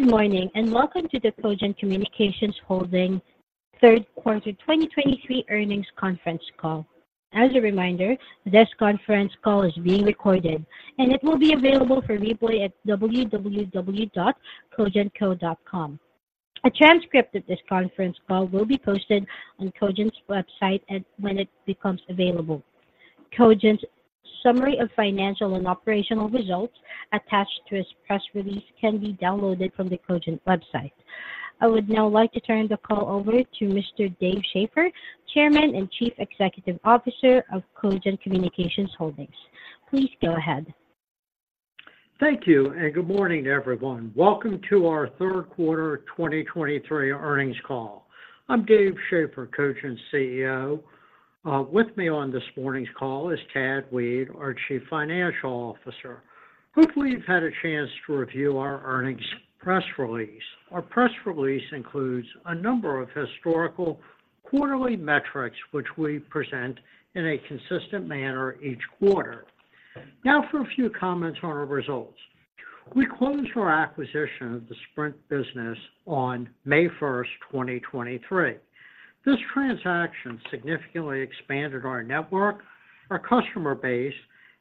Good morning, and welcome to the Cogent Communications Holdings third quarter 2023 earnings conference call. As a reminder, this conference call is being recorded, and it will be available for replay at www.cogentco.com. A transcript of this conference call will be posted on Cogent's website at, when it becomes available. Cogent's summary of financial and operational results attached to its press release can be downloaded from the Cogent website. I would now like to turn the call over to Mr. Dave Schaeffer, Chairman and Chief Executive Officer of Cogent Communications Holdings. Please go ahead. Thank you, and good morning to everyone. Welcome to our third quarter 2023 earnings call. I'm Dave Schaeffer, Cogent's CEO. With me on this morning's call is Tad Weed, our Chief Financial Officer. Hopefully, you've had a chance to review our earnings press release. Our press release includes a number of historical quarterly metrics, which we present in a consistent manner each quarter. Now, for a few comments on our results. We closed our acquisition of the Sprint business on May 1, 2023. This transaction significantly expanded our network, our customer base,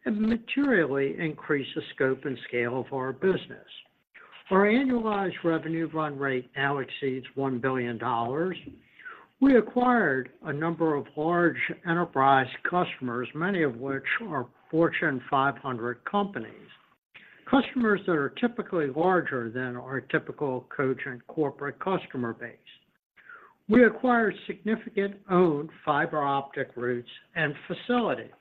and materially increased the scope and scale of our business. Our annualized revenue run rate now exceeds $1 billion. We acquired a number of large enterprise customers, many of which are Fortune 500 companies, customers that are typically larger than our typical Cogent corporate customer base. We acquired significant owned fiber optic routes and facilities.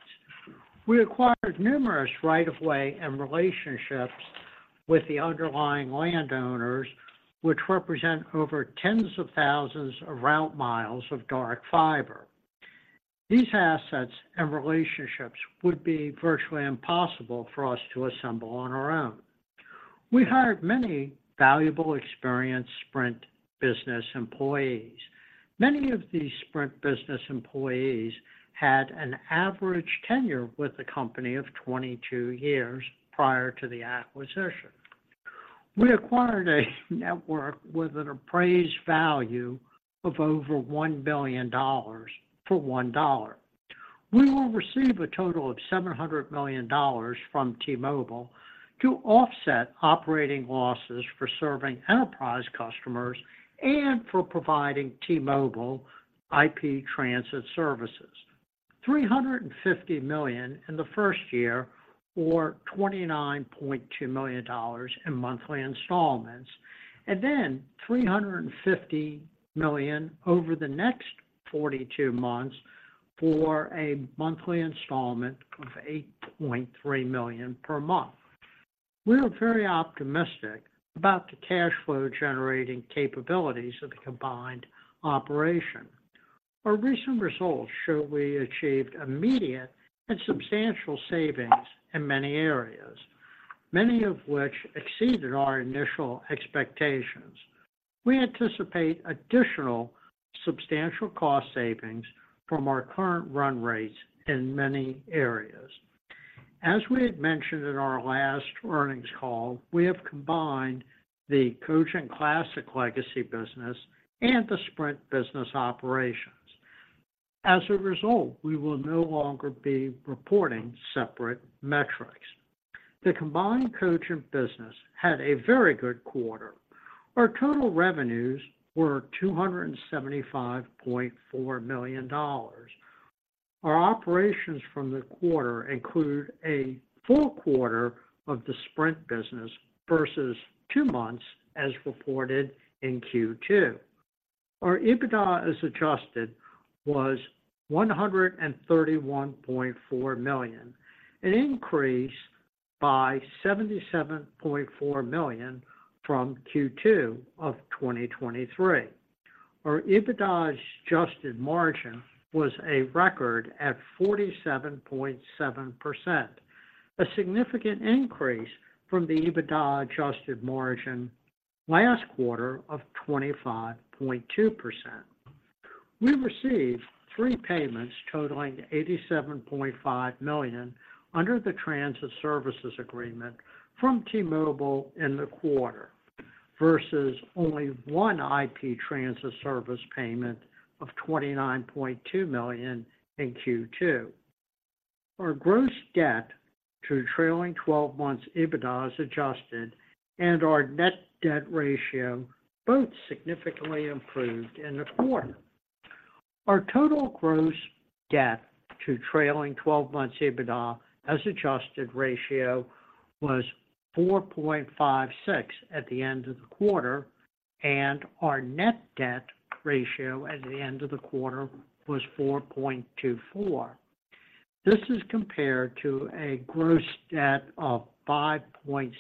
We acquired numerous right-of-way and relationships with the underlying landowners, which represent over tens of thousands of route miles of dark fiber. These assets and relationships would be virtually impossible for us to assemble on our own. We hired many valuable, experienced Sprint business employees. Many of these Sprint business employees had an average tenure with the company of 22 years prior to the acquisition. We acquired a network with an appraised value of over $1 billion for $1. We will receive a total of $700 million from T-Mobile to offset operating losses for serving enterprise customers and for providing T-Mobile IP transit services. $350 million in the first year, or $29.2 million in monthly installments, and then $350 million over the next 42 months for a monthly installment of $8.3 million per month. We are very optimistic about the cash flow generating capabilities of the combined operation. Our recent results show we achieved immediate and substantial savings in many areas, many of which exceeded our initial expectations. We anticipate additional substantial cost savings from our current run rates in many areas. As we had mentioned in our last earnings call, we have combined the Cogent Classic legacy business and the Sprint business operations. As a result, we will no longer be reporting separate metrics. The combined Cogent business had a very good quarter. Our total revenues were $275.4 million. Our operations from the quarter include a full quarter of the Sprint business versus two months, as reported in Q2. Our EBITDA, as adjusted, was $131.4 million, an increase by $77.4 million from Q2 of 2023. Our EBITDA adjusted margin was a record at 47.7%, a significant increase from the EBITDA adjusted margin last quarter of 25.2%. We received three payments totaling $87.5 million under the transit services agreement from T-Mobile in the quarter, versus only one IP transit service payment of $29.2 million in Q2. Our gross debt to trailing twelve months EBITDA as adjusted and our net debt ratio both significantly improved in the quarter. Our total gross debt to trailing twelve months EBITDA as adjusted ratio was 4.56 at the end of the quarter, and our net debt ratio at the end of the quarter was 4.24. This is compared to a gross debt of 5.63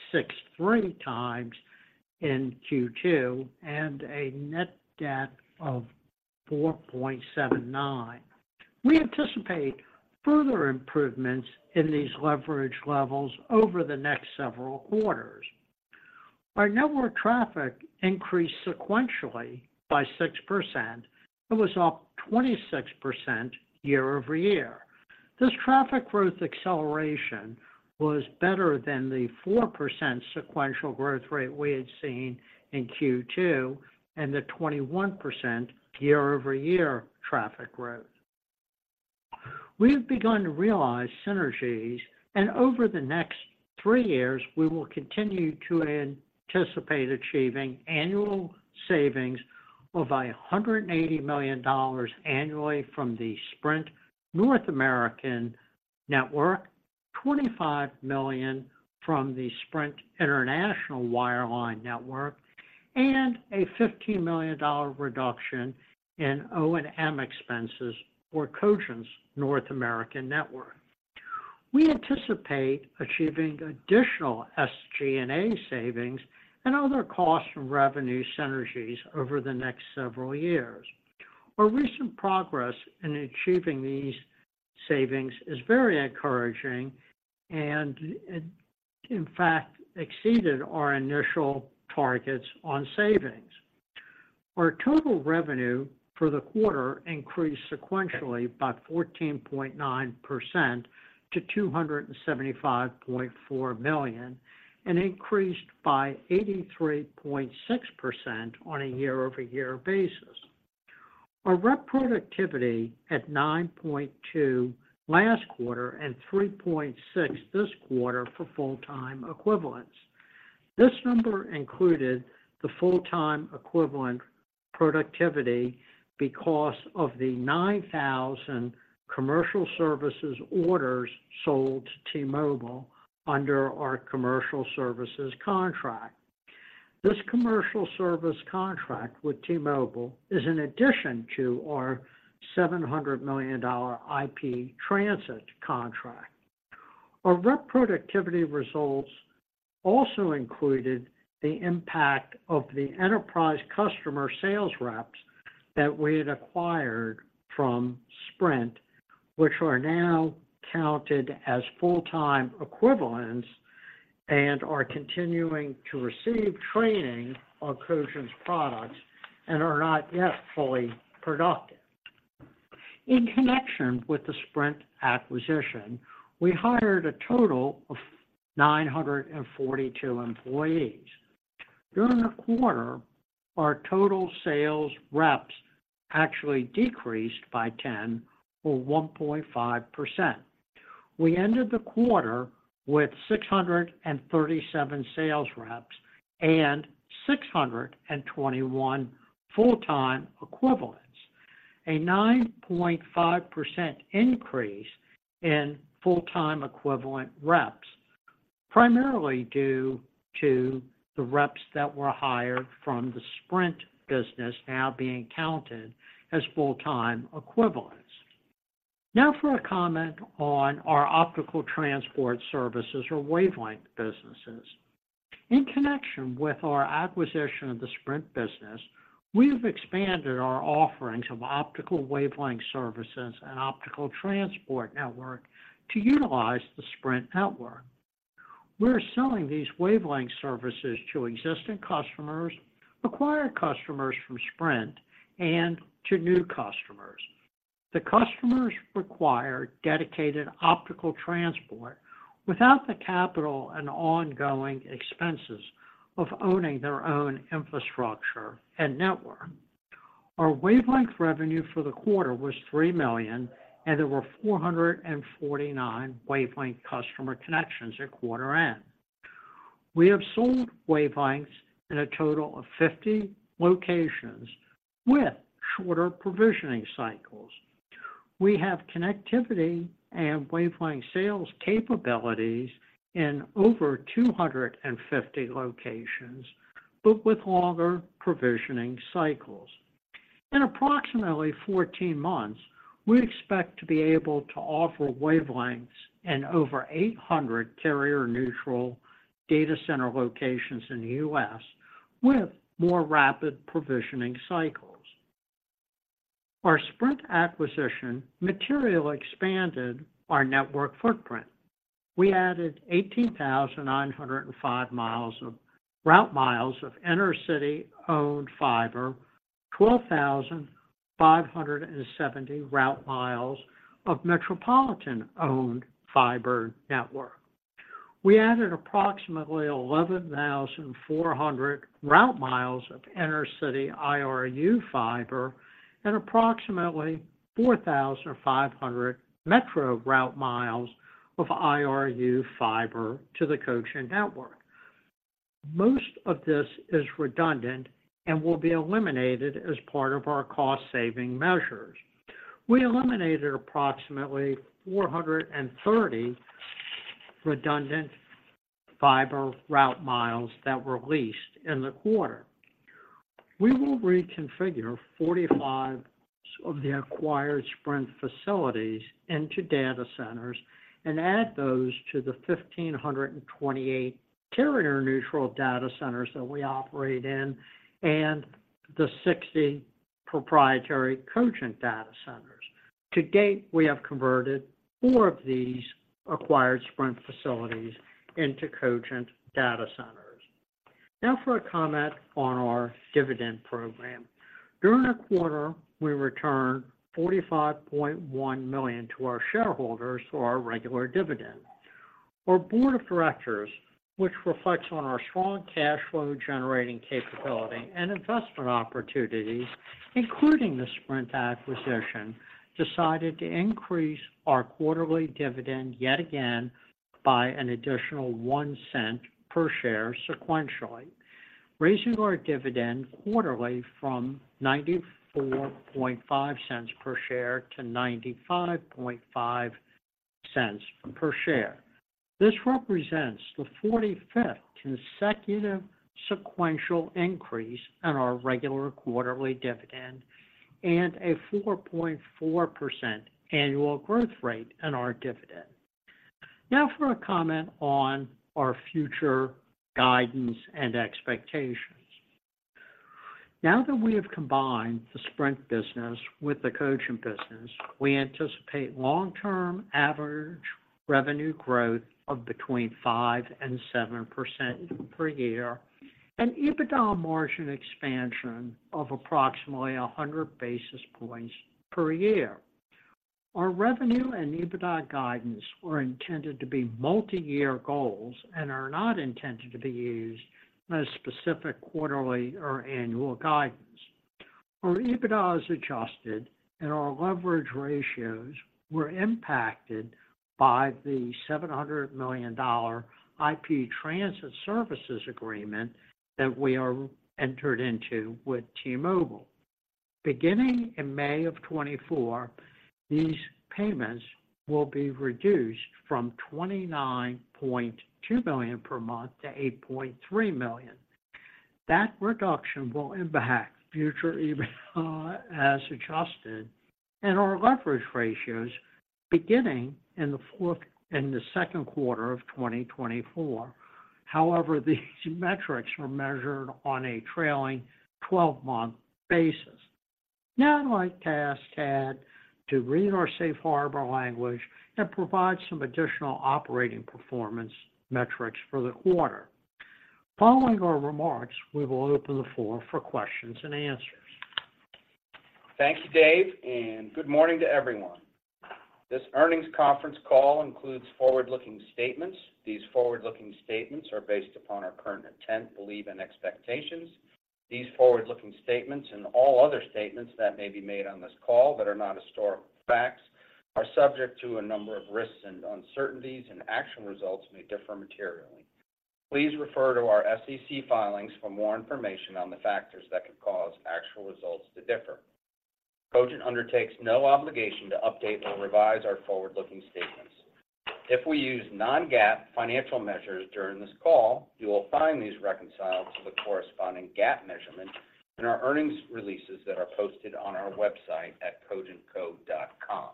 times in Q2 and a net debt of 4.79. We anticipate further improvements in these leverage levels over the next several quarters. Our network traffic increased sequentially by 6% and was up 26% year-over-year.... This traffic growth acceleration was better than the 4% sequential growth rate we had seen in Q2 and the 21% year-over-year traffic growth. We've begun to realize synergies, and over the next three years, we will continue to anticipate achieving annual savings of $180 million annually from the Sprint North American network, $25 million from the Sprint International wireline network, and a $15 million reduction in O&M expenses for Cogent's North American network. We anticipate achieving additional SG&A savings and other cost and revenue synergies over the next several years. Our recent progress in achieving these savings is very encouraging, and it in fact exceeded our initial targets on savings. Our total revenue for the quarter increased sequentially by 14.9% to $275.4 million, and increased by 83.6% on a year-over-year basis. Our rep productivity at 9.2 last quarter and 3.6 this quarter for full-time equivalents. This number included the full-time equivalent productivity because of the 9,000 commercial services orders sold to T-Mobile under our commercial services contract. This commercial service contract with T-Mobile is in addition to our $700 million IP transit contract. Our rep productivity results also included the impact of the enterprise customer sales reps that we had acquired from Sprint, which are now counted as full-time equivalents and are continuing to receive training on Cogent's products and are not yet fully productive. In connection with the Sprint acquisition, we hired a total of 942 employees. During the quarter, our total sales reps actually decreased by 10 or 1.5%. We ended the quarter with 637 sales reps and 621 full-time equivalents. A 9.5% increase in full-time equivalent reps, primarily due to the reps that were hired from the Sprint business now being counted as full-time equivalents. Now for a comment on our optical transport services or wavelength businesses. In connection with our acquisition of the Sprint business, we've expanded our offerings of optical wavelength services and optical transport network to utilize the Sprint network. We're selling these wavelength services to existing customers, acquire customers from Sprint, and to new customers. The customers require dedicated optical transport without the capital and ongoing expenses of owning their own infrastructure and network. Our wavelength revenue for the quarter was $3 million, and there were 449 wavelength customer connections at quarter end. We have sold wavelengths in a total of 50 locations with shorter provisioning cycles. We have connectivity and wavelength sales capabilities in over 250 locations, but with longer provisioning cycles. In approximately 14 months, we expect to be able to offer wavelengths in over 800 carrier-neutral data center locations in the U.S., with more rapid provisioning cycles. Our Sprint acquisition materially expanded our network footprint. We added 18,905 miles of route miles of intercity owned fiber, 12,570 route miles of metropolitan-owned fiber network. We added approximately 11,400 route miles of intercity IRU fiber and approximately 4,500 metro route miles of IRU fiber to the Cogent network. Most of this is redundant and will be eliminated as part of our cost-saving measures. We eliminated approximately 430 redundant fiber route miles that were leased in the quarter. We will reconfigure 45 of the acquired Sprint facilities into data centers and add those to the 1,528 carrier-neutral data centers that we operate in, and the 60 proprietary Cogent data centers. To date, we have converted 4 of these acquired Sprint facilities into Cogent data centers. Now for a comment on our dividend program. During the quarter, we returned $45.1 million to our shareholders through our regular dividend. Our board of directors, which reflects on our strong cash flow generating capability and investment opportunities, including the Sprint acquisition, decided to increase our quarterly dividend yet again by an additional $0.01 per share sequentially, raising our dividend quarterly from $0.945 per share to $0.955 per share. This represents the 45th consecutive sequential increase in our regular quarterly dividend and a 4.4% annual growth rate in our dividend. Now for a comment on our future guidance and expectations. Now that we have combined the Sprint business with the Cogent business, we anticipate long-term average revenue growth of between 5% and 7% per year, and EBITDA margin expansion of approximately 100 basis points per year. Our revenue and EBITDA guidance were intended to be multi-year goals and are not intended to be used as specific quarterly or annual guidance. Our EBITDA is adjusted, and our leverage ratios were impacted by the $700 million IP Transit Services Agreement that we are entered into with T-Mobile. Beginning in May of 2024, these payments will be reduced from $29.2 million per month to $8.3 million. That reduction will impact future EBITDA as adjusted and our leverage ratios beginning in the fourth—in the second quarter of 2024. However, these metrics are measured on a trailing twelve-month basis. Now, I'd like to ask Tad to read our safe harbor language and provide some additional operating performance metrics for the quarter. Following our remarks, we will open the floor for questions and answers. Thank you, Dave, and good morning to everyone. This earnings conference call includes forward-looking statements. These forward-looking statements are based upon our current intent, belief, and expectations. These forward-looking statements and all other statements that may be made on this call that are not historical facts, are subject to a number of risks and uncertainties, and actual results may differ materially. Please refer to our SEC filings for more information on the factors that could cause actual results to differ. Cogent undertakes no obligation to update or revise our forward-looking statements. If we use non-GAAP financial measures during this call, you will find these reconciled to the corresponding GAAP measurements in our earnings releases that are posted on our website at cogentco.com.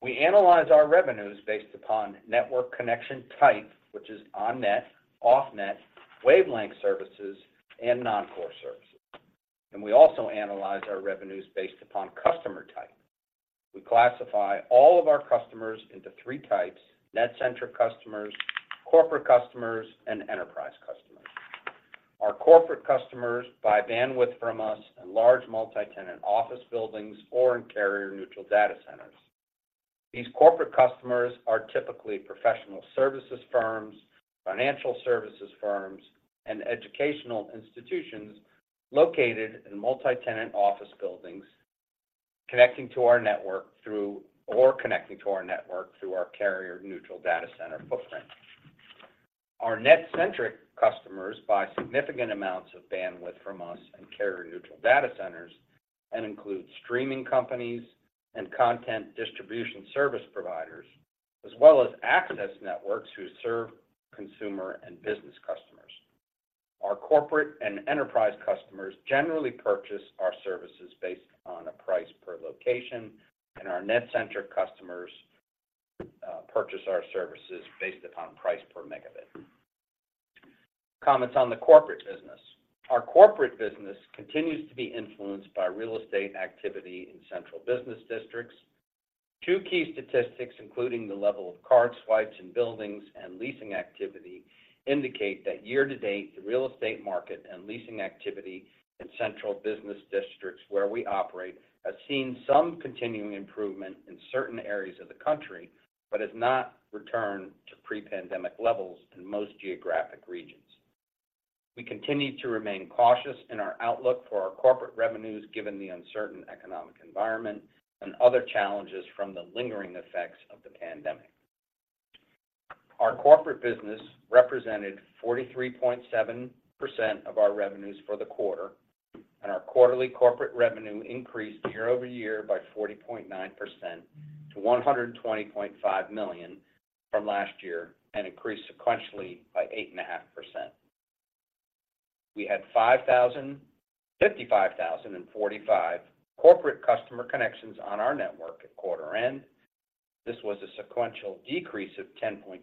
We analyze our revenues based upon network connection type, which is on-net, off-net, wavelength services, and non-core services. We also analyze our revenues based upon customer type. We classify all of our customers into three types: NetCentric customers, corporate customers, and enterprise customers. Our corporate customers buy bandwidth from us in large multi-tenant office buildings or in carrier-neutral data centers. These corporate customers are typically professional services firms, financial services firms, and educational institutions located in multi-tenant office buildings, connecting to our network through our carrier-neutral data center footprint. Our NetCentric customers buy significant amounts of bandwidth from us in carrier-neutral data centers and include streaming companies and content distribution service providers, as well as access networks who serve consumer and business customers. Our corporate and enterprise customers generally purchase our services based on a price per location, and our NetCentric customers purchase our services based upon price per megabit. Comments on the corporate business. Our corporate business continues to be influenced by real estate activity in central business districts. Two key statistics, including the level of card swipes in buildings and leasing activity, indicate that year to date, the real estate market and leasing activity in central business districts where we operate, have seen some continuing improvement in certain areas of the country, but has not returned to pre-pandemic levels in most geographic regions. We continue to remain cautious in our outlook for our corporate revenues, given the uncertain economic environment and other challenges from the lingering effects of the pandemic. Our corporate business represented 43.7% of our revenues for the quarter, and our quarterly corporate revenue increased year-over-year by 40.9% to $120.5 million from last year, and increased sequentially by 8.5%. We had 55,045 corporate customer connections on our network at quarter end. This was a sequential decrease of 10.2%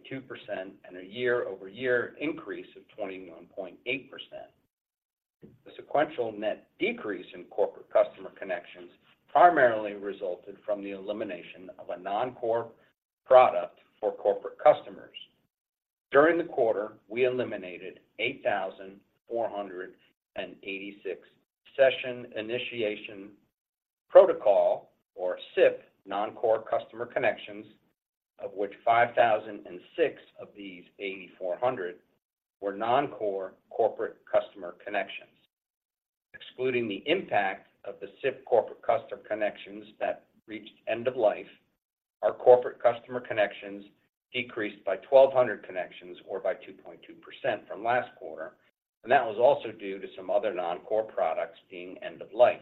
and a year-over-year increase of 21.8%. Sequential net decrease in corporate customer connections primarily resulted from the elimination of a non-core product for corporate customers. During the quarter, we eliminated 8,486 Session Initiation Protocol, or SIP, non-core customer connections, of which 5,006 of these 8,400 were non-core corporate customer connections. Excluding the impact of the SIP corporate customer connections that reached end of life, our corporate customer connections decreased by 1,200 connections or by 2.2% from last quarter, and that was also due to some other non-core products being end of life.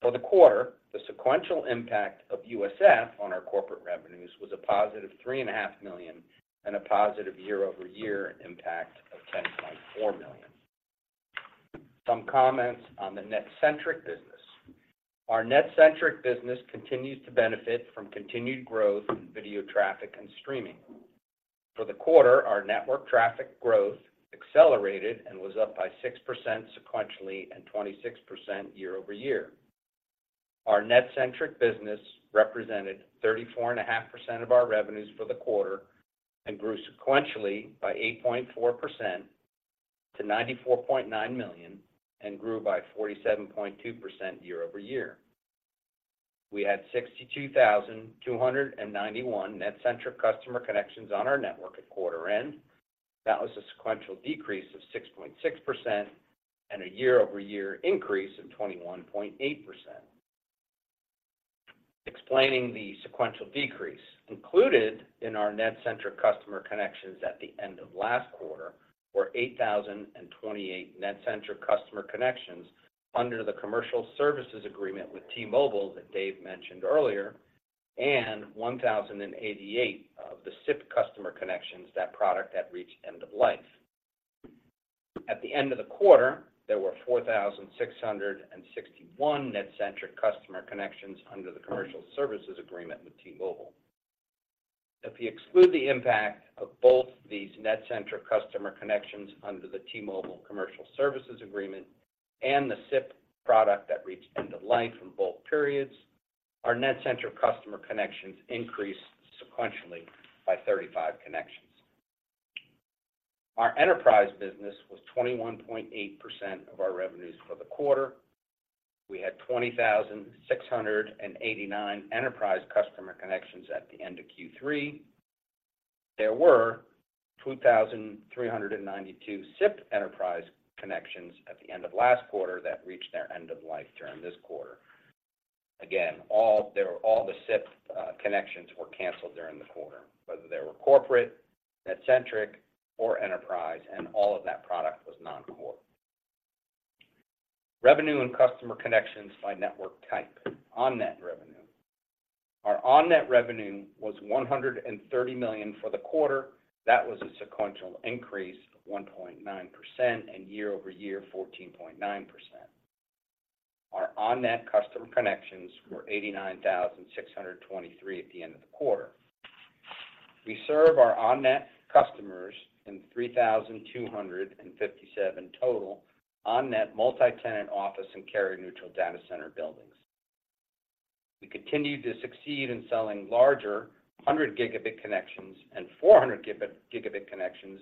For the quarter, the sequential impact of USF on our corporate revenues was a positive $3.5 million, and a positive year-over-year impact of $10.4 million. Some comments on the NetCentric business. Our NetCentric business continues to benefit from continued growth in video traffic and streaming. For the quarter, our network traffic growth accelerated and was up by 6% sequentially and 26% year-over-year. Our NetCentric business represented 34.5% of our revenues for the quarter, and grew sequentially by 8.4% to $94.9 million, and grew by 47.2% year-over-year. We had 62,291 NetCentric customer connections on our network at quarter end. That was a sequential decrease of 6.6% and a year-over-year increase of 21.8%. Explaining the sequential decrease. Included in our NetCentric customer connections at the end of last quarter were 8,028 NetCentric customer connections under the commercial services agreement with T-Mobile that Dave mentioned earlier, and 1,088 of the SIP customer connections, that product that reached end of life. At the end of the quarter, there were 4,661 NetCentric customer connections under the commercial services agreement with T-Mobile. If you exclude the impact of both these NetCentric customer connections under the T-Mobile commercial services agreement and the SIP product that reached end of life in both periods, our NetCentric customer connections increased sequentially by 35 connections. Our enterprise business was 21.8% of our revenues for the quarter. We had 20,689 enterprise customer connections at the end of Q3. There were 2,392 SIP enterprise connections at the end of last quarter that reached their end of life during this quarter. Again, all the, all the SIP connections were canceled during the quarter, whether they were corporate, NetCentric, or enterprise, and all of that product was non-core. Revenue and customer connections by network type. On-net revenue. Our On-net revenue was $130 million for the quarter. That was a sequential increase of 1.9% and year-over-year, 14.9%. Our On-net customer connections were 89,623 at the end of the quarter. We serve our On-net customers in 3,257 total On-net multi-tenant office and carrier-neutral data center buildings. We continue to succeed in selling larger 100 gigabit connections and 400 gigabit connections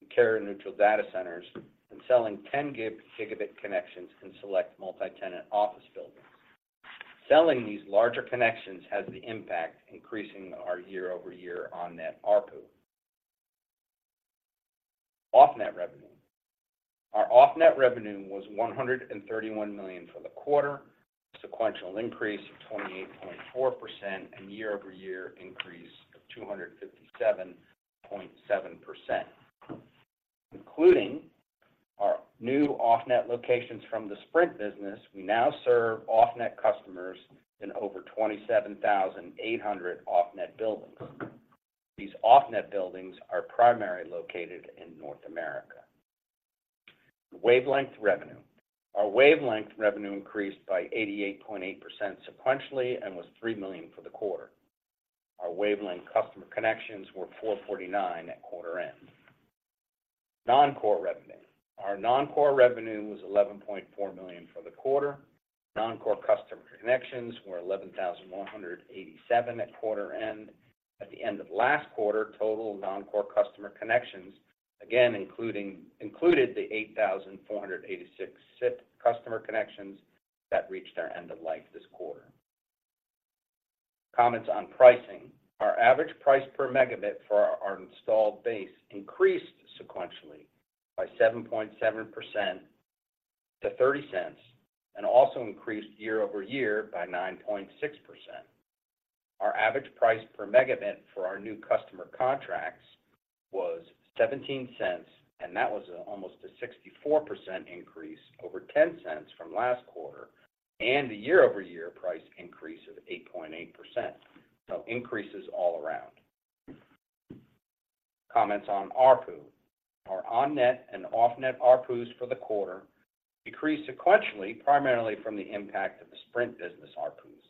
in carrier-neutral data centers and selling 10 gigabit connections in select multi-tenant office buildings. Selling these larger connections has the impact, increasing our year-over-year On-Net ARPU. Off-Net revenue. Our Off-Net revenue was $131 million for the quarter, a sequential increase of 28.4% and year-over-year increase of 257.7%. Including our new Off-Net locations from the Sprint business, we now serve Off-Net customers in over 27,800 Off-Net buildings. These Off-Net buildings are primarily located in North America. Wavelength revenue. Our wavelength revenue increased by 88.8% sequentially and was $3 million for the quarter. Our wavelength customer connections were 449 at quarter end. Non-core revenue. Our non-core revenue was $11.4 million for the quarter. Non-core customer connections were 11,187 at quarter end. At the end of last quarter, total non-core customer connections, again, included the 8,486 SIP customer connections that reached their end of life this quarter. Comments on pricing. Our average price per megabit for our installed base increased sequentially by 7.7% to $0.30, and also increased year-over-year by 9.6%. Our average price per megabit for our new customer contracts was $0.17, and that was almost a 64% increase over $0.10 from last quarter, and a year-over-year price increase of 8.8%. So increases all around. Comments on ARPU. Our On-net and Off-net ARPUs for the quarter decreased sequentially, primarily from the impact of the Sprint business ARPUs.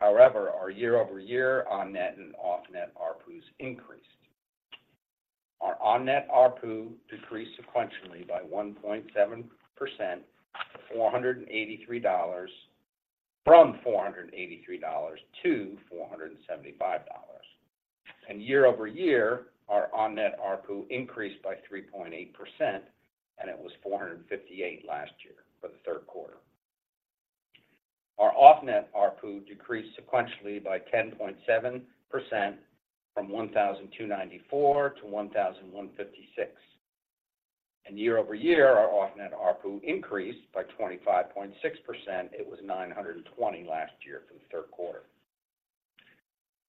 However, our year-over-year On-net and Off-net ARPUs increased.... Our on-net ARPU decreased sequentially by 1.7% to $483, from $483 to $475. Year-over-year, our on-net ARPU increased by 3.8%, and it was $458 last year for the third quarter. Our off-net ARPU decreased sequentially by 10.7% from 1,294 to 1,156. Year-over-year, our off-net ARPU increased by 25.6%. It was $920 last year for the third quarter.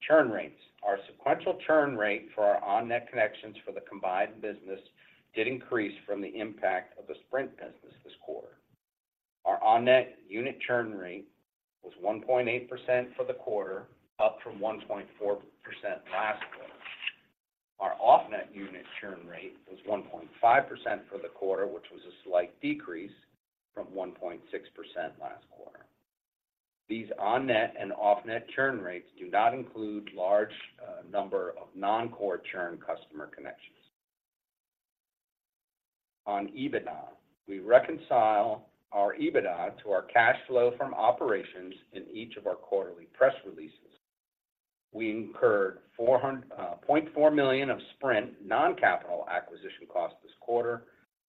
Churn rates. Our sequential churn rate for our on-net connections for the combined business did increase from the impact of the Sprint business this quarter. Our on-net unit churn rate was 1.8% for the quarter, up from 1.4% last quarter. Our off-net unit churn rate was 1.5% for the quarter, which was a slight decrease from 1.6% last quarter. These on-net and off-net churn rates do not include large number of non-core churn customer connections. On EBITDA, we reconcile our EBITDA to our cash flow from operations in each of our quarterly press releases. We incurred $4.4 million of Sprint non-capital acquisition costs this quarter,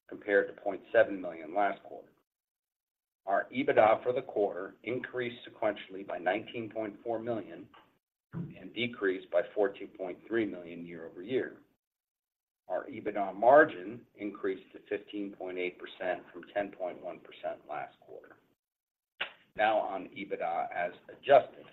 compared to $0.7 million last quarter. Our EBITDA for the quarter increased sequentially by $19.4 million and decreased by $14.3 million year-over-year. Our EBITDA margin increased to 15.8% from 10.1% last quarter. Now on EBITDA as adjusted.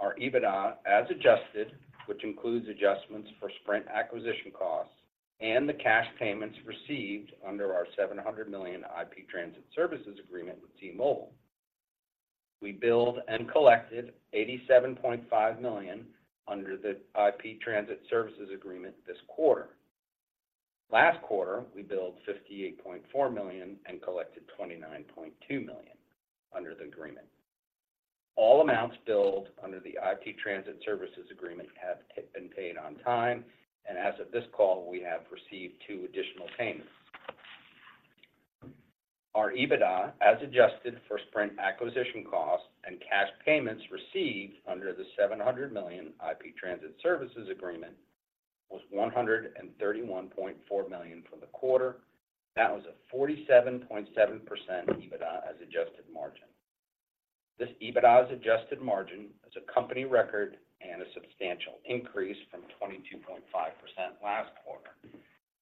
Our EBITDA, as adjusted, which includes adjustments for Sprint acquisition costs and the cash payments received under our $700 million IP Transit Services agreement with T-Mobile. We billed and collected $87.5 million under the IP Transit Services agreement this quarter. Last quarter, we billed $58.4 million and collected $29.2 million under the agreement. All amounts billed under the IP Transit Services Agreement have been paid on time, and as of this call, we have received two additional payments. Our EBITDA, as adjusted for Sprint acquisition costs and cash payments received under the $700 million IP Transit Services Agreement, was $131.4 million for the quarter. That was a 47.7% EBITDA as adjusted margin. This EBITDA as adjusted margin is a company record and a substantial increase from 22.5 last quarter,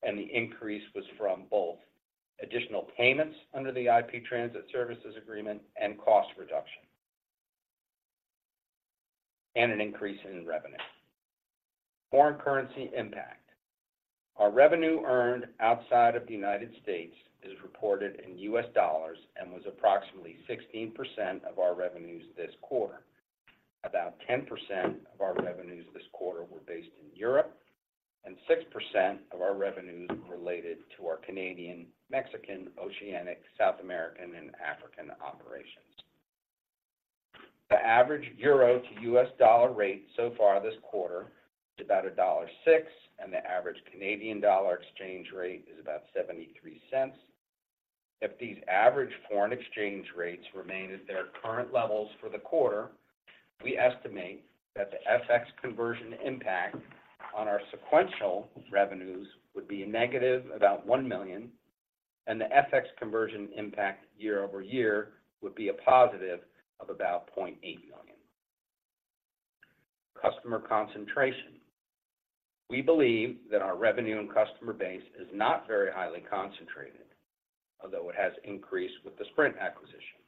and the increase was from both additional payments under the IP Transit Services Agreement and cost reduction, and an increase in revenue. Foreign currency impact. Our revenue earned outside of the United States is reported in U.S. dollars and was approximately 16% of our revenues this quarter. About 10% of our revenues this quarter were based in Europe, and 6% of our revenues related to our Canadian, Mexican, Oceanic, South American, and African operations. The average euro to U.S. dollar rate so far this quarter is about $1.06, and the average Canadian dollar exchange rate is about $0.73. If these average foreign exchange rates remain at their current levels for the quarter, we estimate that the FX conversion impact on our sequential revenues would be a negative, about $1 million, and the FX conversion impact year-over-year would be a positive of about $0.8 million. Customer concentration. We believe that our revenue and customer base is not very highly concentrated, although it has increased with the Sprint acquisition.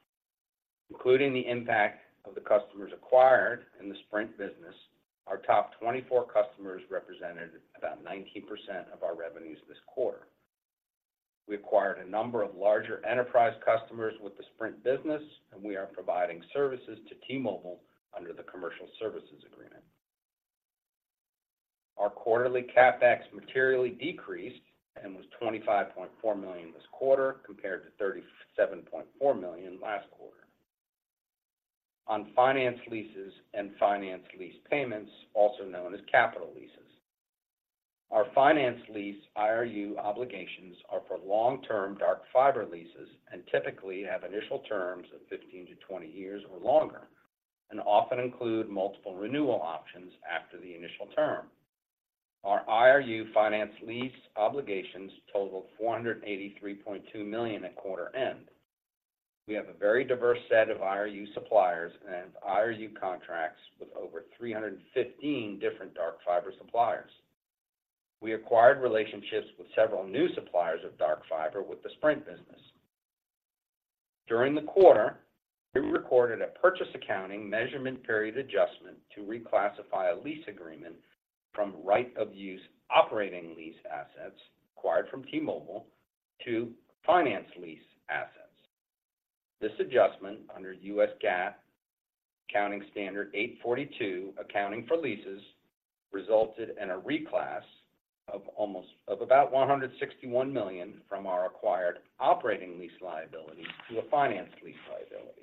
Including the impact of the customers acquired in the Sprint business, our top 24 customers represented about 19% of our revenues this quarter. We acquired a number of larger enterprise customers with the Sprint business, and we are providing services to T-Mobile under the Commercial Services Agreement. Our quarterly CapEx materially decreased and was $25.4 million this quarter, compared to $37.4 million last quarter. On finance leases and finance lease payments, also known as capital leases. Our finance lease, IRU obligations, are for long-term dark fiber leases and typically have initial terms of 15-20 years or longer, and often include multiple renewal options after the initial term. Our IRU finance lease obligations totaled $483.2 million at quarter end. We have a very diverse set of IRU suppliers and IRU contracts with over 315 different dark fiber suppliers. We acquired relationships with several new suppliers of dark fiber with the Sprint business. During the quarter, we recorded a purchase accounting measurement period adjustment to reclassify a lease agreement from right of use operating lease assets acquired from T-Mobile to finance lease assets. This adjustment, under U.S. GAAP, accounting standard ASC 842, accounting for leases, resulted in a reclass of about $161 million from our acquired operating lease liability to a finance lease liability.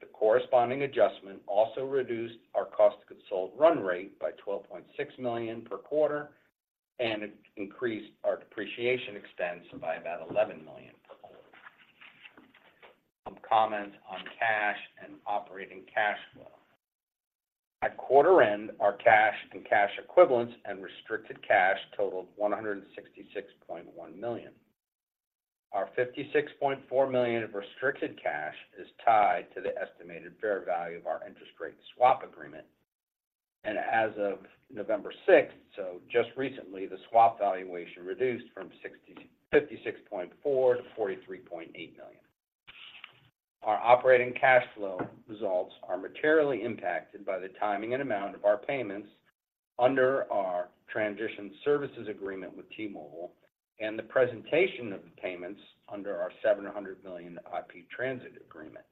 The corresponding adjustment also reduced our cost of goods sold run rate by $12.6 million per quarter, and it increased our depreciation expense by about $11 million per quarter. Some comments on cash and operating cash flow. At quarter end, our cash and cash equivalents and restricted cash totaled $166.1 million. Our $56.4 million of restricted cash is tied to the estimated fair value of our interest rate swap agreement. As of November sixth, so just recently, the swap valuation reduced from $56.4 million to $43.8 million. Our operating cash flow results are materially impacted by the timing and amount of our payments under our Transition Services Agreement with T-Mobile and the presentation of the payments under our $700 million IP Transit Agreement.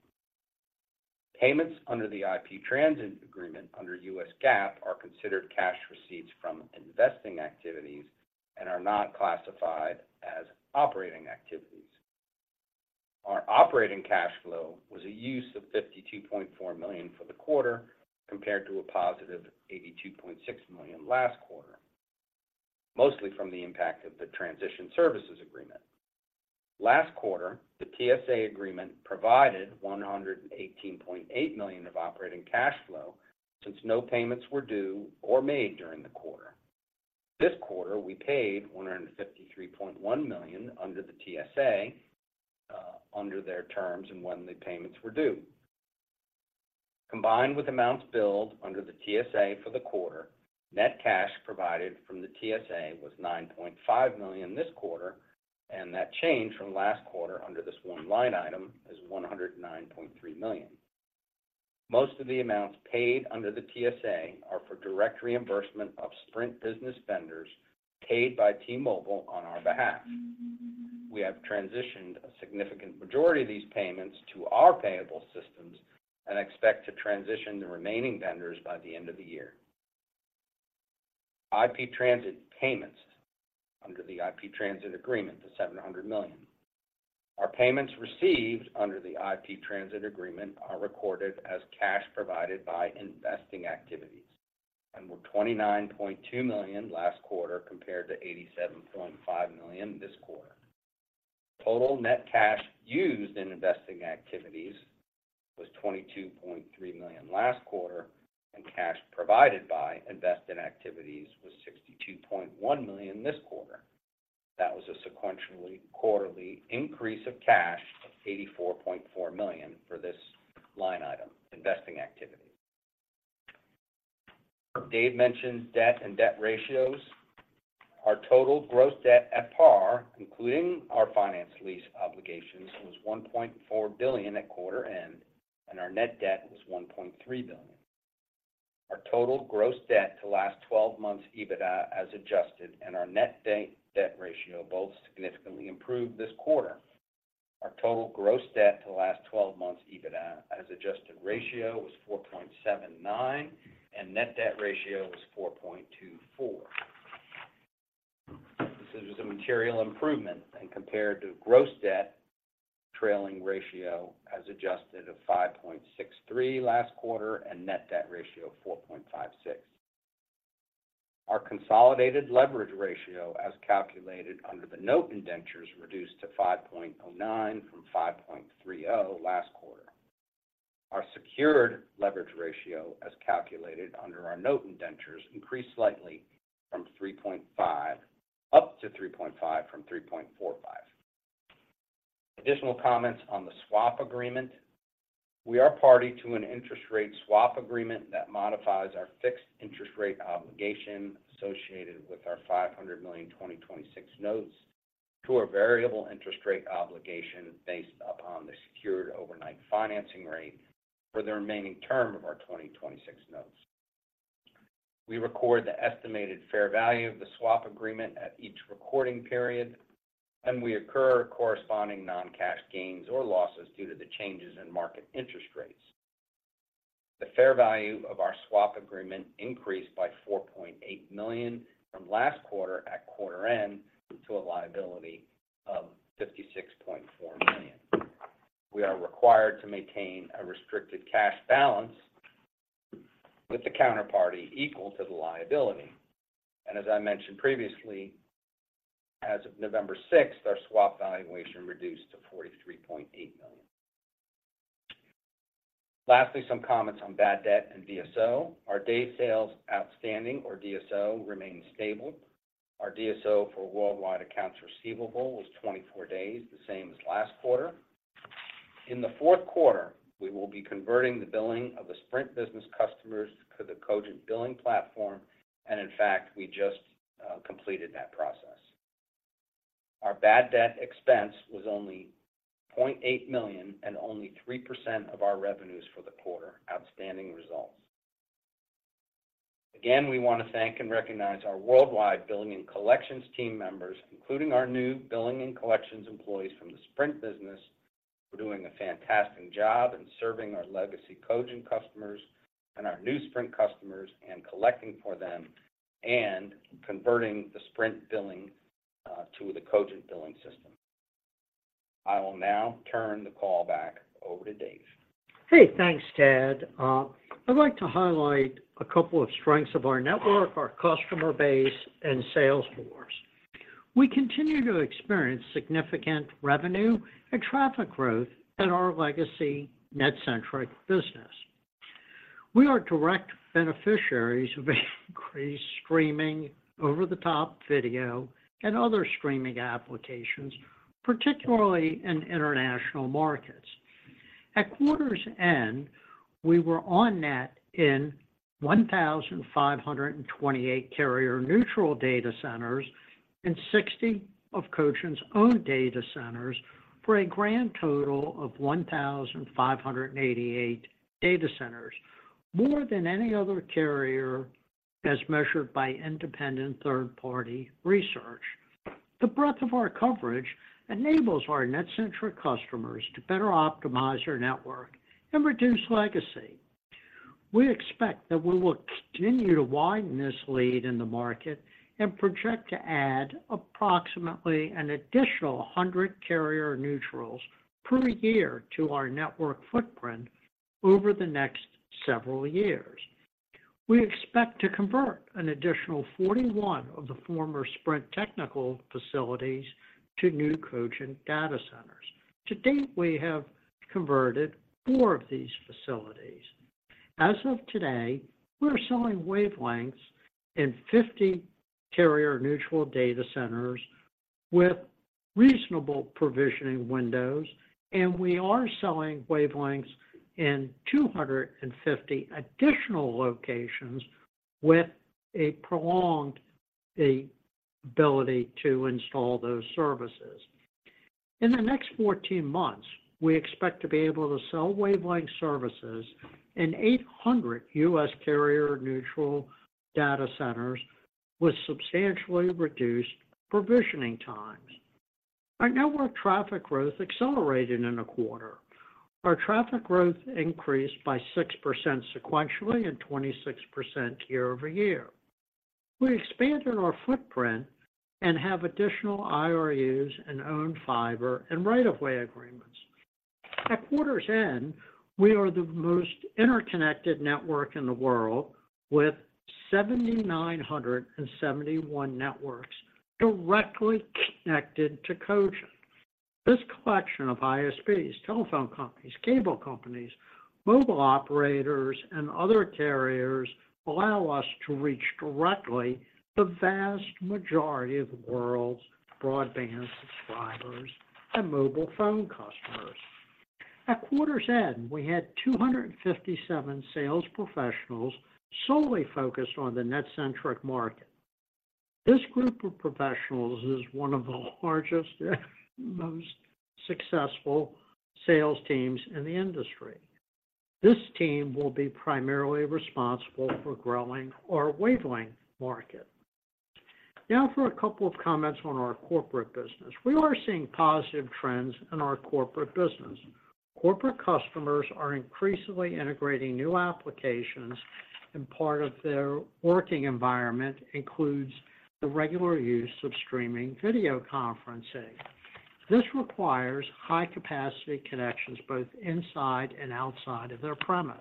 Payments under the IP Transit Agreement under U.S. GAAP are considered cash receipts from investing activities and are not classified as operating activities. Our operating cash flow was a use of $52.4 million for the quarter, compared to a positive $82.6 million last quarter, mostly from the impact of the Transition Services Agreement. Last quarter, the TSA agreement provided $118.8 million of operating cash flow, since no payments were due or made during the quarter. This quarter, we paid $153.1 million under the TSA, under their terms and when the payments were due. Combined with amounts billed under the TSA for the quarter, net cash provided from the TSA was $9.5 million this quarter, and that change from last quarter under this one line item is $109.3 million. Most of the amounts paid under the TSA are for direct reimbursement of Sprint business vendors paid by T-Mobile on our behalf. We have transitioned a significant majority of these payments to our payable systems and expect to transition the remaining vendors by the end of the year. IP transit payments under the IP Transit Agreement, the $700 million. Our payments received under the IP Transit Agreement are recorded as cash provided by investing activities and were $29.2 million last quarter, compared to $87.5 million this quarter. Total net cash used in investing activities was $22.3 million last quarter, and cash provided by investing activities was $62.1 million this quarter. That was a sequentially quarterly increase of cash of $84.4 million for this line item, investing activity. Dave mentioned debt and debt ratios. Our total gross debt at par, including our finance lease obligations, was $1.4 billion at quarter end, and our net debt was $1.3 billion. Our total gross debt to last twelve months EBITDA, as adjusted, and our net debt ratio both significantly improved this quarter. Our total gross debt to last twelve months EBITDA, as adjusted ratio, was 4.79, and net debt ratio was 4.24. This is a material improvement, and compared to gross debt trailing ratio as adjusted of 5.63 last quarter and net debt ratio of 4.56. Our consolidated leverage ratio, as calculated under the note indentures, reduced to 5.09 from 5.30 last quarter. Our secured leverage ratio, as calculated under our note indentures, increased slightly to 3.5 from 3.45. Additional comments on the swap agreement. We are a party to an interest rate swap agreement that modifies our fixed interest rate obligation associated with our $500 million 2026 notes to a variable interest rate obligation based upon the Secured Overnight Financing Rate for the remaining term of our 2026 notes. We record the estimated fair value of the swap agreement at each reporting period, and we record corresponding non-cash gains or losses due to the changes in market interest rates. The fair value of our swap agreement increased by $4.8 million from last quarter at quarter end to a liability of $56.4 million. We are required to maintain a restricted cash balance with the counterparty equal to the liability. And as I mentioned previously, as of November sixth, our swap valuation reduced to $43.8 million. Lastly, some comments on bad debt and DSO. Our days sales outstanding, or DSO, remains stable. Our DSO for worldwide accounts receivable was 24 days, the same as last quarter. In the fourth quarter, we will be converting the billing of the Sprint business customers to the Cogent billing platform, and in fact, we just completed that process. Our bad debt expense was only $0.8 million and only 3% of our revenues for the quarter. Outstanding results. Again, we want to thank and recognize our worldwide billing and collections team members, including our new billing and collections employees from the Sprint business, for doing a fantastic job in serving our legacy Cogent customers and our new Sprint customers, and collecting for them, and converting the Sprint billing to the Cogent billing system. I will now turn the call back over to Dave. Hey, thanks, Tad. I'd like to highlight a couple of strengths of our network, our customer base, and sales force. We continue to experience significant revenue and traffic growth in our legacy NetCentric business. We are direct beneficiaries of increased streaming, over-the-top video, and other streaming applications, particularly in international markets. At quarter's end, we were On-Net in 1,528 carrier-neutral data centers and 60 of Cogent's own data centers, for a grand total of 1,588 data centers, more than any other carrier, as measured by independent third-party research. The breadth of our coverage enables our NetCentric customers to better optimize their network and reduce latency. We expect that we will continue to widen this lead in the market and project to add approximately an additional 100 carrier-neutral per year to our network footprint over the next several years. We expect to convert an additional 41 of the former Sprint technical facilities to new Cogent data centers. To date, we have converted 4 of these facilities. As of today, we're selling wavelengths in 50 carrier-neutral data centers with reasonable provisioning windows, and we are selling wavelengths in 250 additional locations with a prolonged ability to install those services. In the next 14 months, we expect to be able to sell wavelength services in 800 U.S. carrier-neutral data centers with substantially reduced provisioning times. Our network traffic growth accelerated in the quarter. Our traffic growth increased by 6% sequentially and 26% year-over-year. We expanded our footprint and have additional IRUs and owned fiber and right-of-way agreements. At quarter's end, we are the most interconnected network in the world, with 7,971 networks directly connected to Cogent. This collection of ISPs, telephone companies, cable companies, mobile operators, and other carriers allow us to reach directly the vast majority of the world's broadband subscribers and mobile phone customers. At quarter's end, we had 257 sales professionals solely focused on the NetCentric market. This group of professionals is one of the largest and most successful sales teams in the industry. This team will be primarily responsible for growing our wavelength market. Now for a couple of comments on our corporate business. We are seeing positive trends in our corporate business. Corporate customers are increasingly integrating new applications, and part of their working environment includes the regular use of streaming video conferencing. This requires high-capacity connections both inside and outside of their premise.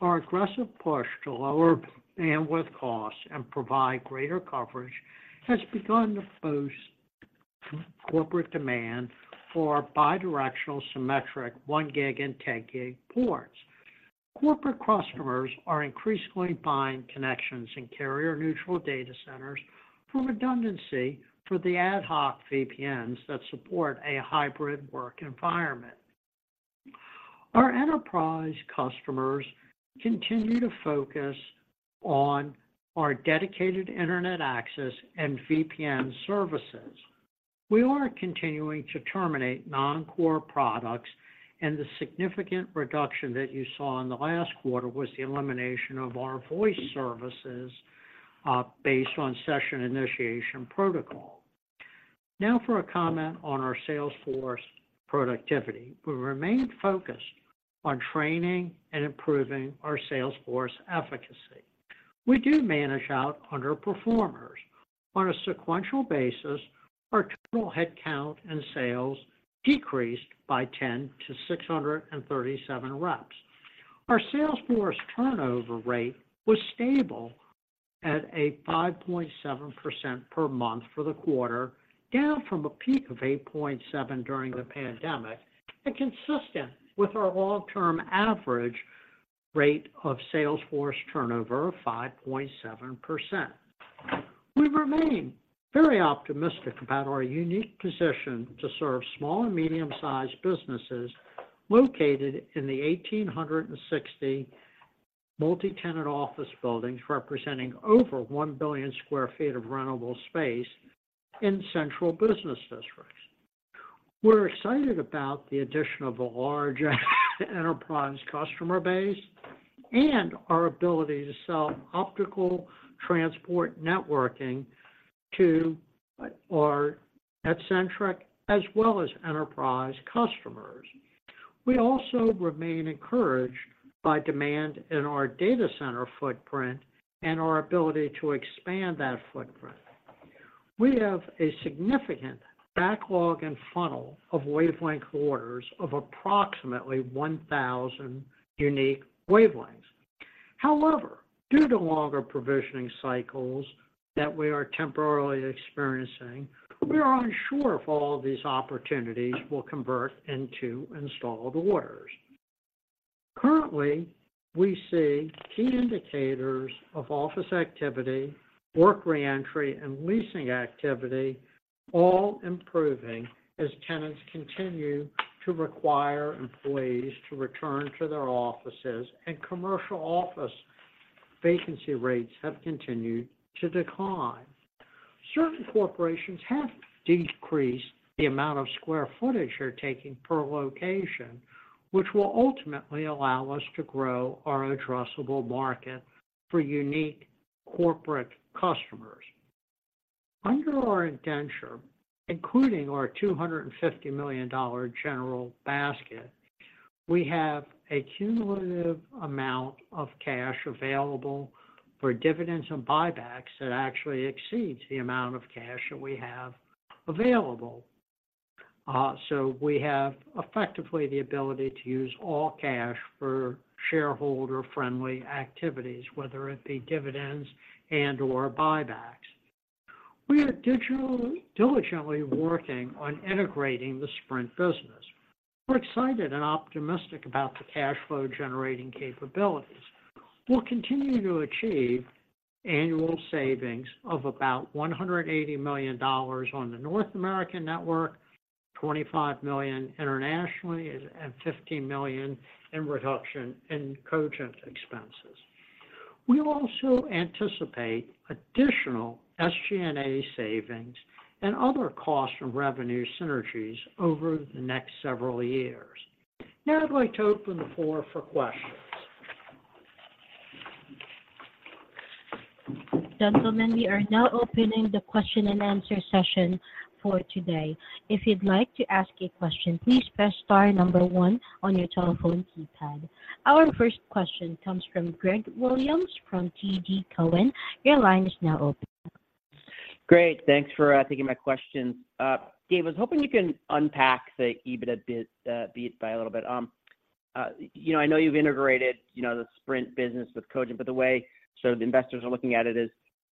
Our aggressive push to lower bandwidth costs and provide greater coverage has begun to boost corporate demand for bidirectional symmetric 1 gig and 10 gig ports. Corporate customers are increasingly buying connections in carrier-neutral data centers for redundancy for the ad hoc VPNs that support a hybrid work environment. Our enterprise customers continue to focus on our dedicated Internet access and VPN services. We are continuing to terminate non-core products, and the significant reduction that you saw in the last quarter was the elimination of our voice services based on Session Initiation Protocol. Now, for a comment on our sales force productivity. We remain focused on training and improving our sales force efficacy. We do manage out underperformers. On a sequential basis, our total headcount and sales decreased by 10 to 637 reps. Our sales force turnover rate was stable at a 5.7% per month for the quarter, down from a peak of 8.7% during the pandemic, and consistent with our long-term average rate of sales force turnover of 5.7%. We remain very optimistic about our unique position to serve small and medium-sized businesses located in the 1,860 multi-tenant office buildings, representing over 1 billion sq ft of rentable space in central business districts. We're excited about the addition of a large enterprise customer base and our ability to sell optical transport networking to our NetCentric as well as enterprise customers.... We also remain encouraged by demand in our data center footprint and our ability to expand that footprint. We have a significant backlog and funnel of wavelength orders of approximately 1,000 unique wavelengths. However, due to longer provisioning cycles that we are temporarily experiencing, we are unsure if all these opportunities will convert into install orders. Currently, we see key indicators of office activity, work reentry, and leasing activity all improving as tenants continue to require employees to return to their offices, and commercial office vacancy rates have continued to decline. Certain corporations have decreased the amount of square footage they're taking per location, which will ultimately allow us to grow our addressable market for unique corporate customers. Under our indenture, including our $250 million general basket, we have a cumulative amount of cash available for dividends and buybacks that actually exceeds the amount of cash that we have available. So we have effectively the ability to use all cash for shareholder-friendly activities, whether it be dividends and/or buybacks. We are diligently working on integrating the Sprint business. We're excited and optimistic about the cash flow generating capabilities. We'll continue to achieve annual savings of about $180 million on the North American network, $25 million internationally, and $50 million in reduction in Cogent expenses. We also anticipate additional SG&A savings and other cost and revenue synergies over the next several years. Now, I'd like to open the floor for questions. Gentlemen, we are now opening the question and answer session for today. If you'd like to ask a question, please press star number one on your telephone keypad. Our first question comes from Greg Williams from TD Cowen. Your line is now open. Great. Thanks for taking my question. Dave, I was hoping you can unpack the EBITDA bit, beat by a little bit. You know, I know you've integrated, you know, the Sprint business with Cogent, but the way some of the investors are looking at it is,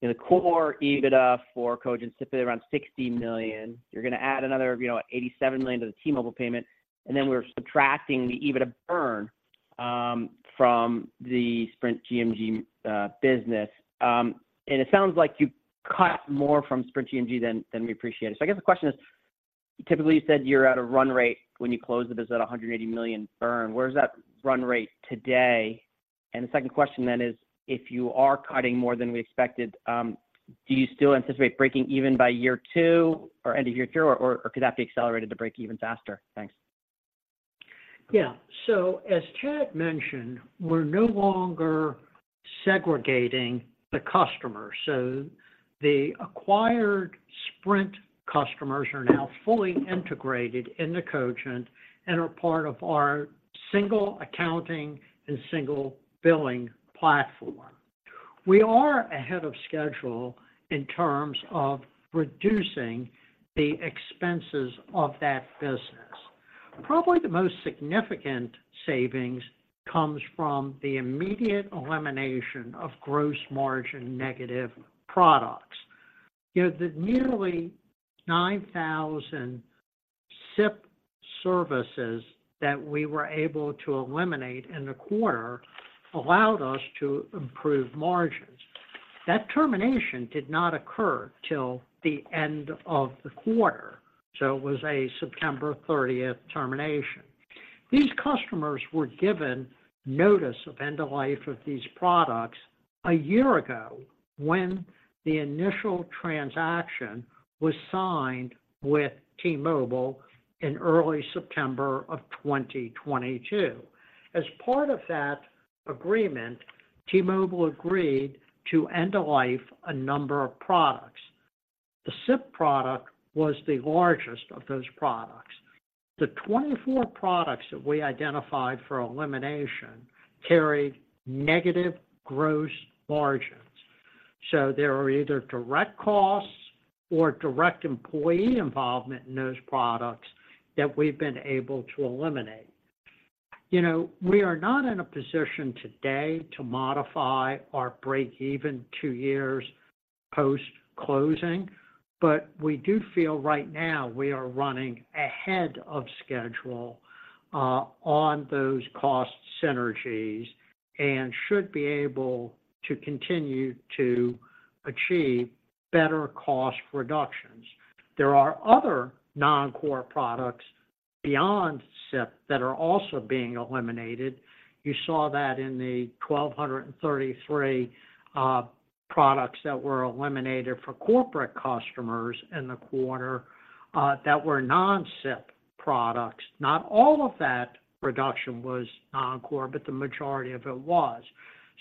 in the core, EBITDA for Cogent, sit around $60 million. You're gonna add another, you know, $87 million to the T-Mobile payment, and then we're subtracting the EBITDA burn, from the Sprint BMG, business. And it sounds like you cut more from Sprint BMG than we appreciated. So I guess the question is, typically, you said you're at a run rate when you close the visit, $180 million burn. Where's that run rate today? The second question then is, if you are cutting more than we expected, do you still anticipate breaking even by year two or end of year three, or, or could that be accelerated to break even faster? Thanks. Yeah. So as Chad mentioned, we're no longer segregating the customer. So the acquired Sprint customers are now fully integrated into Cogent and are part of our single accounting and single billing platform. We are ahead of schedule in terms of reducing the expenses of that business. Probably the most significant savings comes from the immediate elimination of gross margin negative products. You know, the nearly 9,000 SIP services that we were able to eliminate in the quarter allowed us to improve margins. That termination did not occur till the end of the quarter, so it was a September thirtieth termination. These customers were given notice of end of life of these products a year ago, when the initial transaction was signed with T-Mobile in early September of 2022. As part of that agreement, T-Mobile agreed to end the life a number of products. The SIP product was the largest of those products. The 24 products that we identified for elimination carried negative gross margins, so there are either direct costs or direct employee involvement in those products that we've been able to eliminate. You know, we are not in a position today to modify our break-even two years post-closing, but we do feel right now we are running ahead of schedule on those cost synergies and should be able to continue to achieve better cost reductions. There are other non-core products beyond SIP that are also being eliminated. You saw that in the 1,233 products that were eliminated for corporate customers in the quarter that were non-SIP products. Not all of that reduction was non-core, but the majority of it was.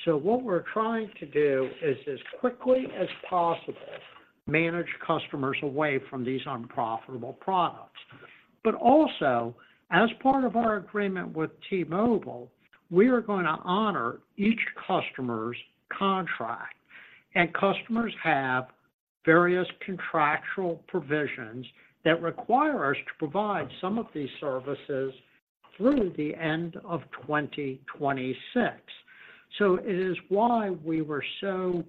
So what we're trying to do is, as quickly as possible-... Manage customers away from these unprofitable products. But also, as part of our agreement with T-Mobile, we are going to honor each customer's contract. And customers have various contractual provisions that require us to provide some of these services through the end of 2026. So it is why we were so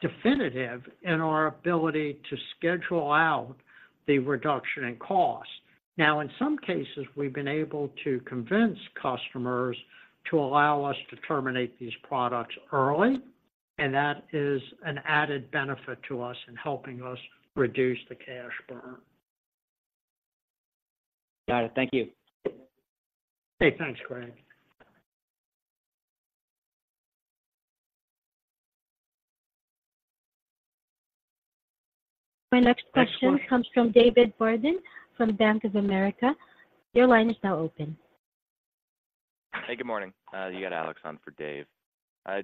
definitive in our ability to schedule out the reduction in cost. Now, in some cases, we've been able to convince customers to allow us to terminate these products early, and that is an added benefit to us in helping us reduce the cash burn. Got it. Thank you. Hey, thanks, Greg. My next question comes from David Barden, from Bank of America. Your line is now open. Hey, good morning. You got Alex on for Dave.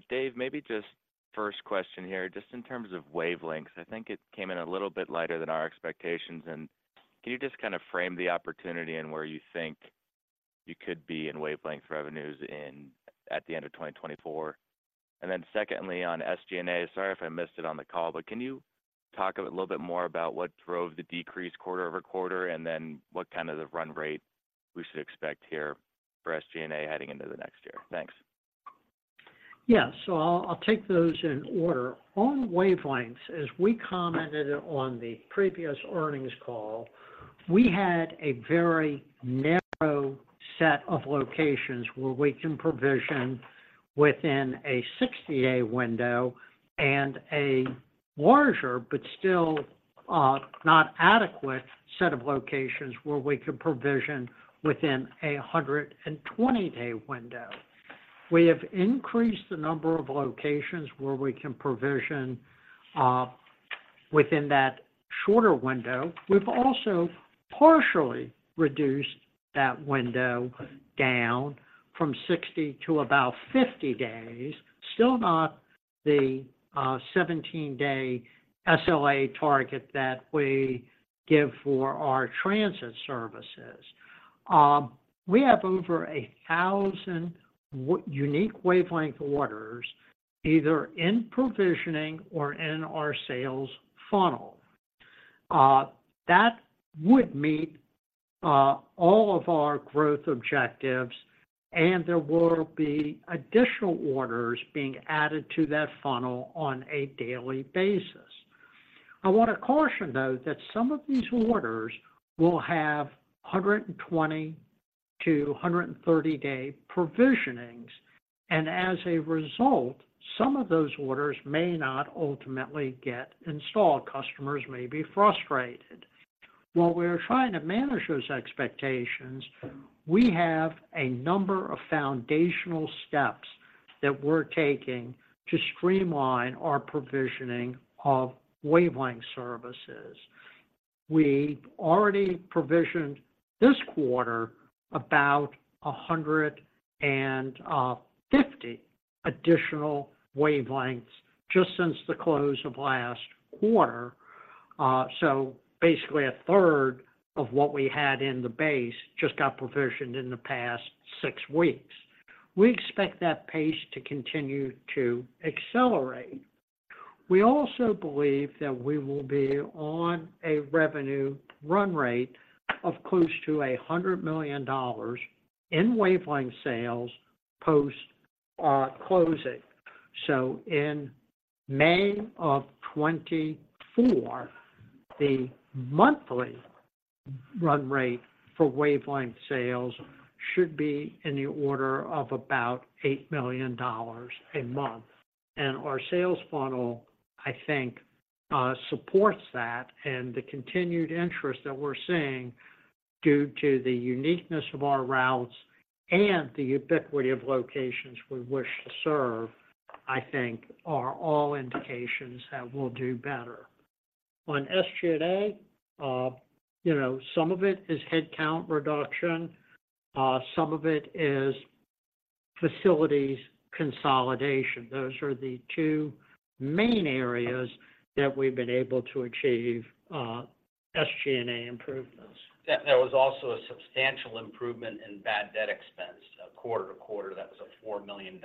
Dave, maybe just first question here, just in terms of wavelengths, I think it came in a little bit lighter than our expectations, and can you just kind of frame the opportunity and where you think you could be in wavelength revenues in—at the end of 2024? And then secondly, on SG&A, sorry if I missed it on the call, but can you talk a little bit more about what drove the decrease quarter-over-quarter, and then what kind of the run rate we should expect here for SG&A heading into the next year? Thanks. Yeah. So I'll take those in order. On wavelengths, as we commented on the previous earnings call, we had a very narrow set of locations where we can provision within a 60-day window, and a larger, but still not adequate set of locations where we can provision within a 120-day window. We have increased the number of locations where we can provision within that shorter window. We've also partially reduced that window down from 60 to about 50 days, still not the 17-day SLA target that we give for our transit services. We have over 1,000 unique wavelength orders, either in provisioning or in our sales funnel. That would meet all of our growth objectives, and there will be additional orders being added to that funnel on a daily basis. I want to caution, though, that some of these orders will have 120- to 130-day provisionings, and as a result, some of those orders may not ultimately get installed. Customers may be frustrated. While we're trying to manage those expectations, we have a number of foundational steps that we're taking to streamline our provisioning of wavelength services. We already provisioned this quarter about 150 additional wavelengths just since the close of last quarter. So basically a third of what we had in the base just got provisioned in the past six weeks. We expect that pace to continue to accelerate. We also believe that we will be on a revenue run rate of close to $100 million in wavelength sales post closing. So in May of 2024, the monthly run rate for wavelength sales should be in the order of about $8 million a month. Our sales funnel, I think, supports that, and the continued interest that we're seeing due to the uniqueness of our routes and the ubiquity of locations we wish to serve, I think, are all indications that we'll do better. On SG&A, you know, some of it is headcount reduction, some of it is facilities consolidation. Those are the two main areas that we've been able to achieve, SG&A improvements. Yeah, there was also a substantial improvement in bad debt expense. Quarter to quarter, that was a $4 million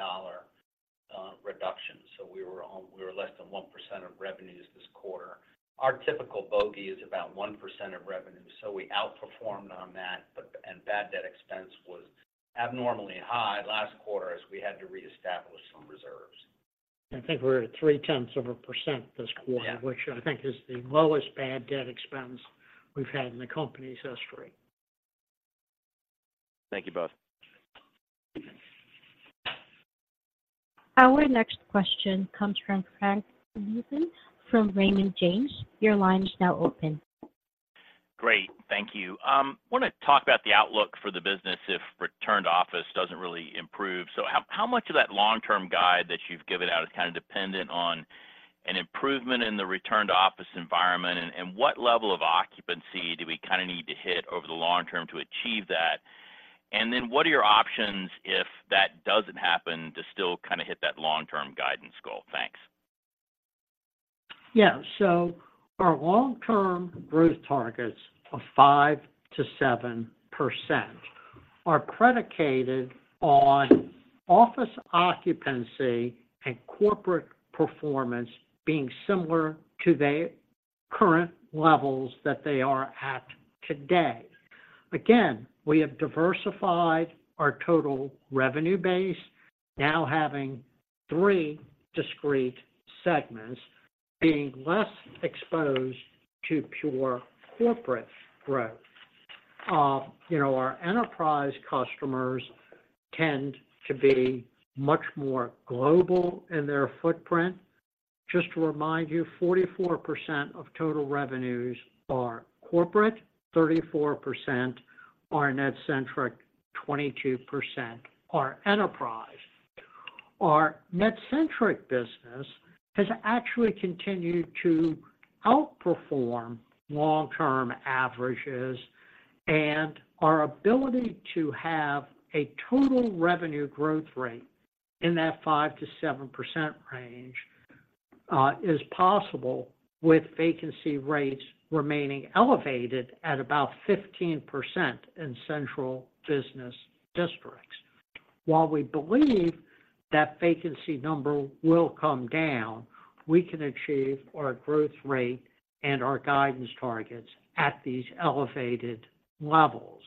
reduction, so we were less than 1% of revenues this quarter. Our typical bogey is about 1% of revenue, so we outperformed on that, but... And bad debt expense was abnormally high last quarter, as we had to reestablish some reserves. I think we're at 0.3% this quarter- Yeah... which I think is the lowest bad debt expense we've had in the company's history. Thank you both. Our next question comes from Frank Bivens, from Raymond James. Your line is now open. Great. Thank you. I want to talk about the outlook for the business if return to office doesn't really improve. So how, how much of that long-term guide that you've given out is kind of dependent on an improvement in the return to office environment? And, and what level of occupancy do we kind of need to hit over the long term to achieve that? And then what are your options if that doesn't happen, to still kinda hit that long-term guidance goal? Thanks. Yeah. So our long-term growth targets of 5%-7% are predicated on office occupancy and corporate performance being similar to the current levels that they are at today. Again, we have diversified our total revenue base, now having three discrete segments, being less exposed to pure corporate growth. You know, our enterprise customers tend to be much more global in their footprint. Just to remind you, 44% of total revenues are corporate, 34% are NetCentric, 22% are enterprise. Our NetCentric business has actually continued to outperform long-term averages, and our ability to have a total revenue growth rate in that 5%-7% range is possible with vacancy rates remaining elevated at about 15% in central business districts. While we believe that vacancy number will come down, we can achieve our growth rate and our guidance targets at these elevated levels.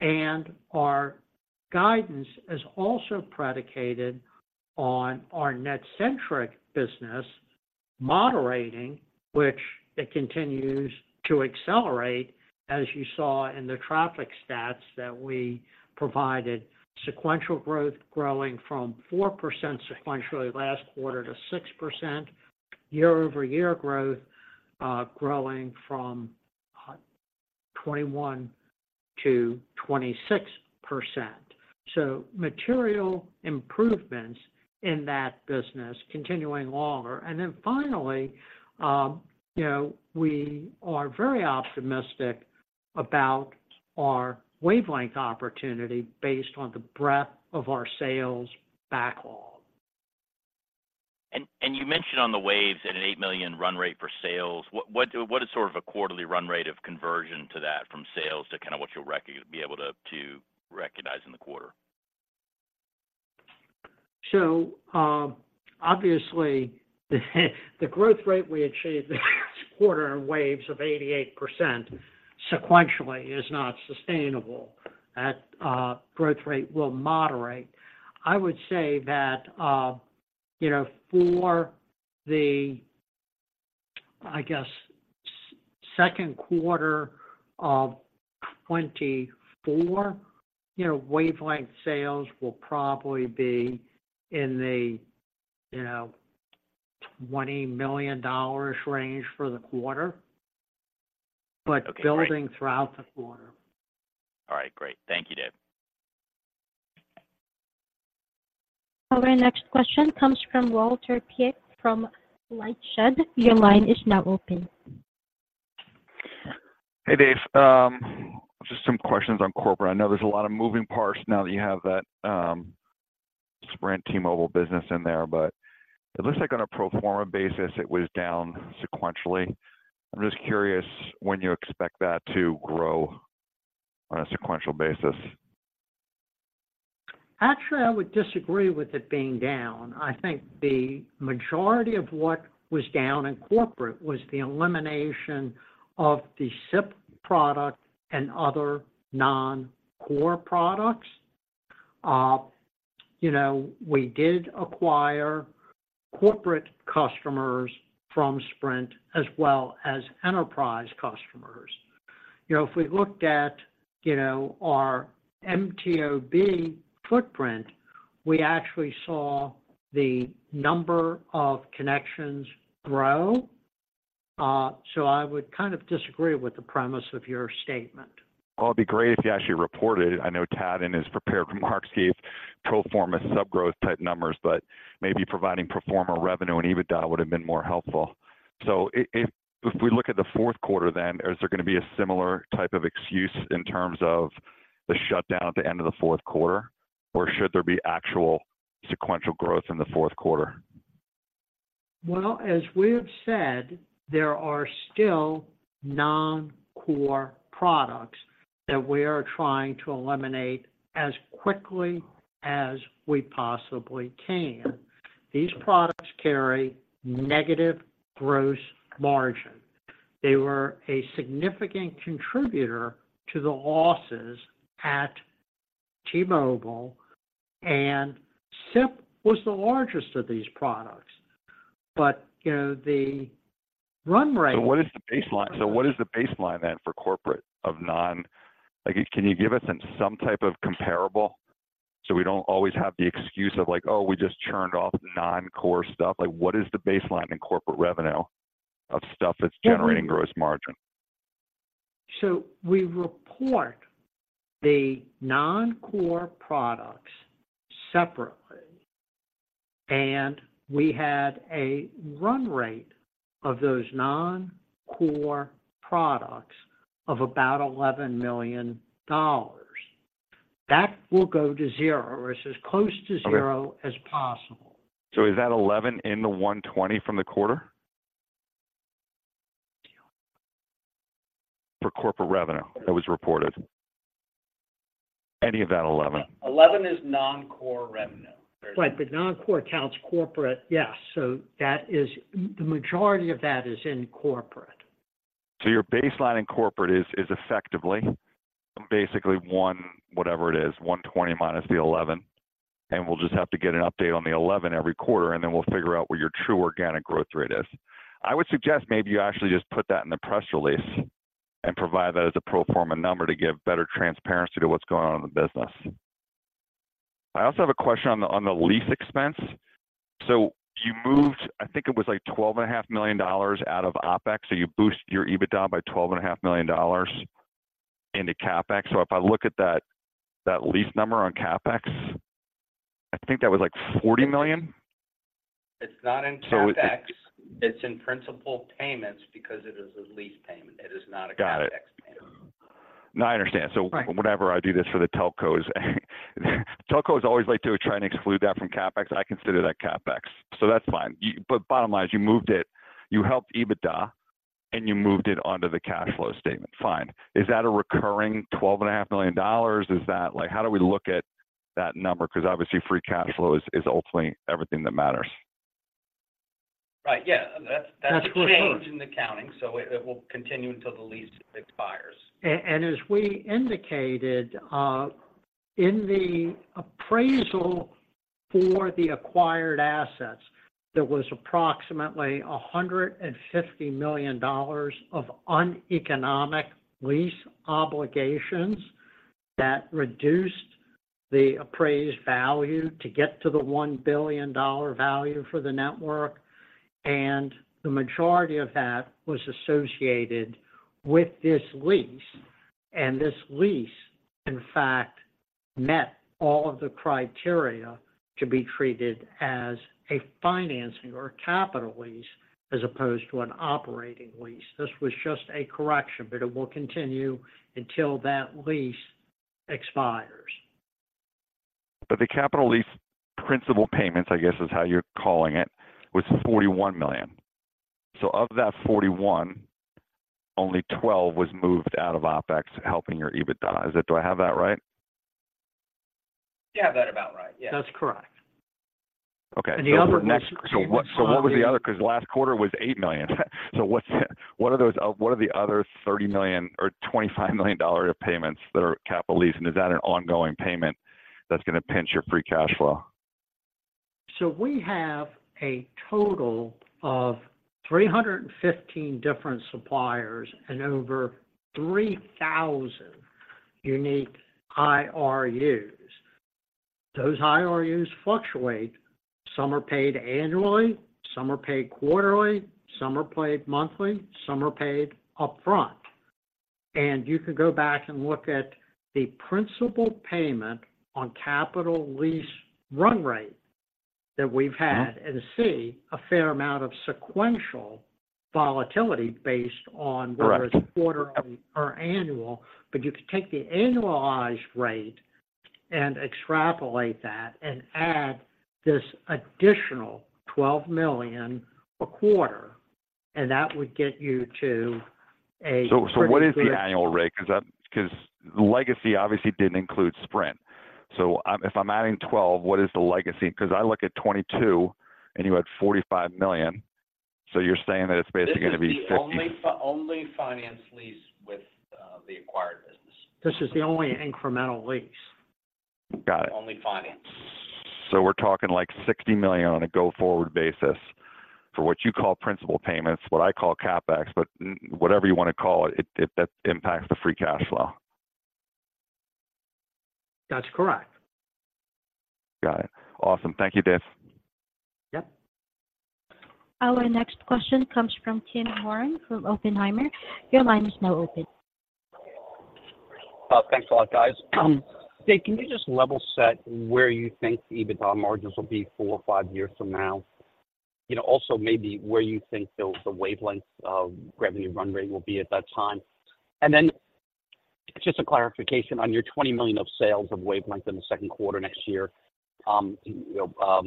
And our guidance is also predicated on our NetCentric business, moderating, which it continues to accelerate, as you saw in the traffic stats that we provided. Sequential growth growing from 4% sequentially last quarter to 6%. Year-over-year growth, growing from 21%-26%. So material improvements in that business continuing longer. And then finally, you know, we are very optimistic about our wavelength opportunity based on the breadth of our sales backlog. You mentioned on the wavelengths at an $8 million run rate for sales. What is sort of a quarterly run rate of conversion to that from sales to kinda what you'll be able to recognize in the quarter? So, obviously, the growth rate we achieved this quarter in wavelengths of 88% sequentially is not sustainable. That, growth rate will moderate. I would say that, you know, for the, I guess, second quarter of 2024, you know, wavelength sales will probably be in the, you know, $20 million range for the quarter- Okay, great. But building throughout the quarter. All right, great. Thank you, Dave. Our next question comes from Walter Piecyk from LightShed. Your line is now open. Hey, Dave. Just some questions on corporate. I know there's a lot of moving parts now that you have that, Sprint T-Mobile business in there, but it looks like on a pro forma basis, it was down sequentially. I'm just curious when you expect that to grow on a sequential basis? Actually, I would disagree with it being down. I think the majority of what was down in corporate was the elimination of the SIP product and other non-core products. You know, we did acquire corporate customers from Sprint as well as enterprise customers. You know, if we looked at, you know, our MTOB footprint, we actually saw the number of connections grow. So I would kind of disagree with the premise of your statement. Well, it'd be great if you actually reported. I know Tad is prepared for marks, Dave, pro forma sub-growth type numbers, but maybe providing pro forma revenue and EBITDA would have been more helpful. So if, if we look at the fourth quarter then, is there gonna be a similar type of excuse in terms of the shutdown at the end of the fourth quarter? Or should there be actual sequential growth in the fourth quarter? Well, as we have said, there are still non-core products that we are trying to eliminate as quickly as we possibly can. These products carry negative gross margin. They were a significant contributor to the losses at T-Mobile, and SIP was the largest of these products. But, you know, the run rate- What is the baseline? What is the baseline then for corporate of non... Like, can you give us some, some type of comparable, so we don't always have the excuse of, like, "Oh, we just churned off non-core stuff?" Like, what is the baseline in corporate revenue of stuff that's generating gross margin? So we report the non-core products separately, and we had a run rate of those non-core products of about $11 million. That will go to zero, or it's as close to zero- Okay -as possible. So is that $11 in the $120 from the quarter? For corporate revenue that was reported. Any of that $11? 11 is non-core revenue. Right, but non-core counts corporate. Yes, so that is the majority of that is in corporate. So your baseline in corporate is effectively basically one, whatever it is, 120 minus the 11. And we'll just have to get an update on the 11 every quarter, and then we'll figure out what your true organic growth rate is. I would suggest maybe you actually just put that in the press release and provide that as a pro forma number to give better transparency to what's going on in the business. I also have a question on the lease expense. So you moved, I think it was like $12.5 million out of OpEx, so you boosted your EBITDA by $12.5 million into CapEx. So if I look at that, that lease number on CapEx, I think that was like $40 million? It's not in CapEx- So it- It's in principal payments because it is a lease payment. It is not a CapEx payment. Got it. No, I understand. Right. So whenever I do this for the telcos, telcos always like to try and exclude that from CapEx. I consider that CapEx, so that's fine. Yeah, but bottom line is you moved it, you helped EBITDA, and you moved it onto the cash flow statement. Fine. Is that a recurring $12.5 million? Is that—like, how do we look at that number? Because obviously, free cash flow is ultimately everything that matters. Right, yeah. That's- That's for sure.... a change in accounting, so it will continue until the lease expires. As we indicated, in the appraisal for the acquired assets, there was approximately $150 million of uneconomic lease obligations that reduced the appraised value to get to the $1 billion value for the network, and the majority of that was associated with this lease. This lease, in fact, met all of the criteria to be treated as a financing or a capital lease, as opposed to an operating lease. This was just a correction, but it will continue until that lease expires. But the capital lease principal payments, I guess, is how you're calling it, was $41 million. So of that $41 million, only $12 million was moved out of OpEx, helping your EBITDA. Is it? Do I have that right? You have that about right, yes. That's correct. Okay. And the other was- So what was the other? Because last quarter was $8 million. So what's – what are the other $30 million or $25 million dollars of payments that are capital lease, and is that an ongoing payment that's gonna pinch your free cash flow? So we have a total of 315 different suppliers and over 3,000 unique IRUs. Those IRUs fluctuate. Some are paid annually, some are paid quarterly, some are paid monthly, some are paid upfront. And you could go back and look at the principal payment on capital lease run rate that we've had- Mm-hmm and see a fair amount of sequential volatility based on Correct whether it's quarterly or annual. But you could take the annualized rate and extrapolate that, and add this additional $12 million a quarter, and that would get you to a- So what is the annual rate? 'Cause that legacy obviously didn't include Sprint. So if I'm adding 12, what is the legacy? 'Cause I look at 2022, and you had $45 million, so you're saying that it's basically gonna be 50- This is the only finance lease with the acquired business. This is the only incremental lease. Got it. The only finance. So we're talking, like, $60 million on a go-forward basis for what you call principal payments, what I call CapEx. But whatever you wanna call it, that impacts the free cash flow. That's correct. Got it. Awesome. Thank you, Dave. Yep. Our next question comes from Tim Horan from Oppenheimer. Your line is now open. Thanks a lot, guys. Dave, can you just level set where you think the EBITDA margins will be four or five years from now? You know, also maybe where you think the wavelength of revenue run rate will be at that time. And then just a clarification, on your $20 million of sales of wavelength in the second quarter next year, you know,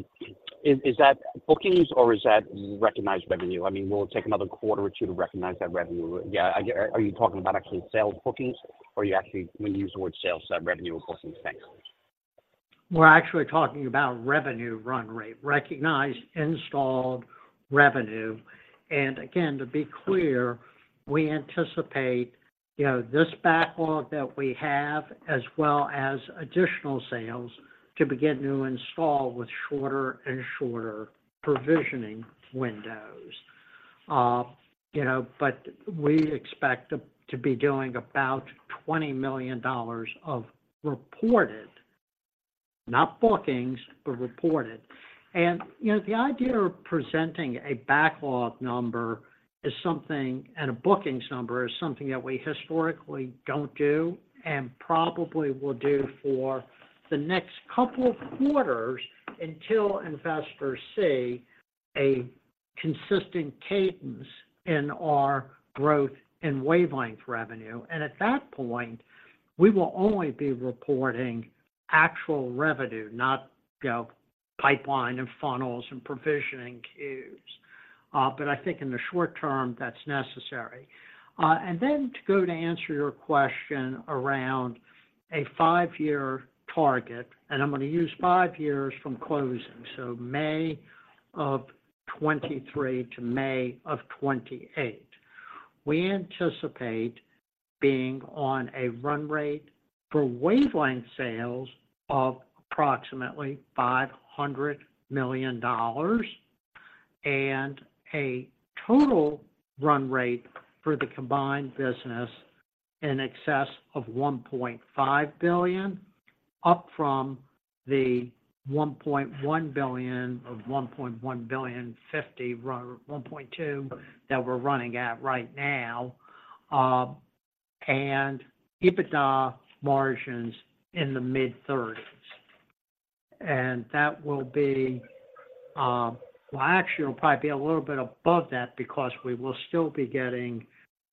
is that bookings or is that recognized revenue? I mean, will it take another quarter or two to recognize that revenue? Yeah, are you talking about actually sales bookings, or you actually when you use the word sales, revenue bookings? Thanks. We're actually talking about revenue run rate, recognized, installed revenue. And again, to be clear, we anticipate, you know, this backlog that we have, as well as additional sales, to begin to install with shorter and shorter provisioning windows. You know, but we expect to be doing about $20 million of reported, not bookings, but reported. And, you know, the idea of presenting a backlog number is something, and a bookings number, is something that we historically don't do and probably will do for the next couple of quarters, until investors see a consistent cadence in our growth and wavelength revenue. And at that point, we will only be reporting actual revenue, not, you know, pipeline and funnels and provisioning queues. But I think in the short term, that's necessary. and then to go to answer your question around a 5-year target, and I'm going to use 5 years from closing, so May 2023 to May 2028. We anticipate being on a run rate for wavelength sales of approximately $500 million, and a total run rate for the combined business in excess of $1.5 billion, up from the $1.1 billion or $1.1 billion fifty or $1.2 billion that we're running at right now, and EBITDA margins in the mid-30s. And that will be, well, actually, it'll probably be a little bit above that because we will still be getting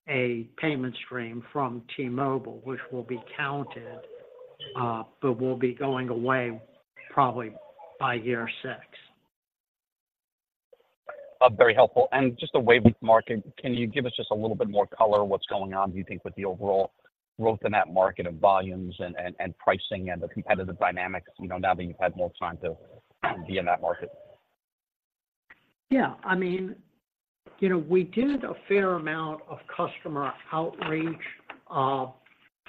a payment stream from T-Mobile, which will be counted, but will be going away probably by year 6. Very helpful. Just the wavelength market, can you give us just a little bit more color on what's going on, do you think, with the overall growth in that market of volumes and pricing and the competitive dynamics, you know, now that you've had more time to be in that market? Yeah, I mean, you know, we did a fair amount of customer outreach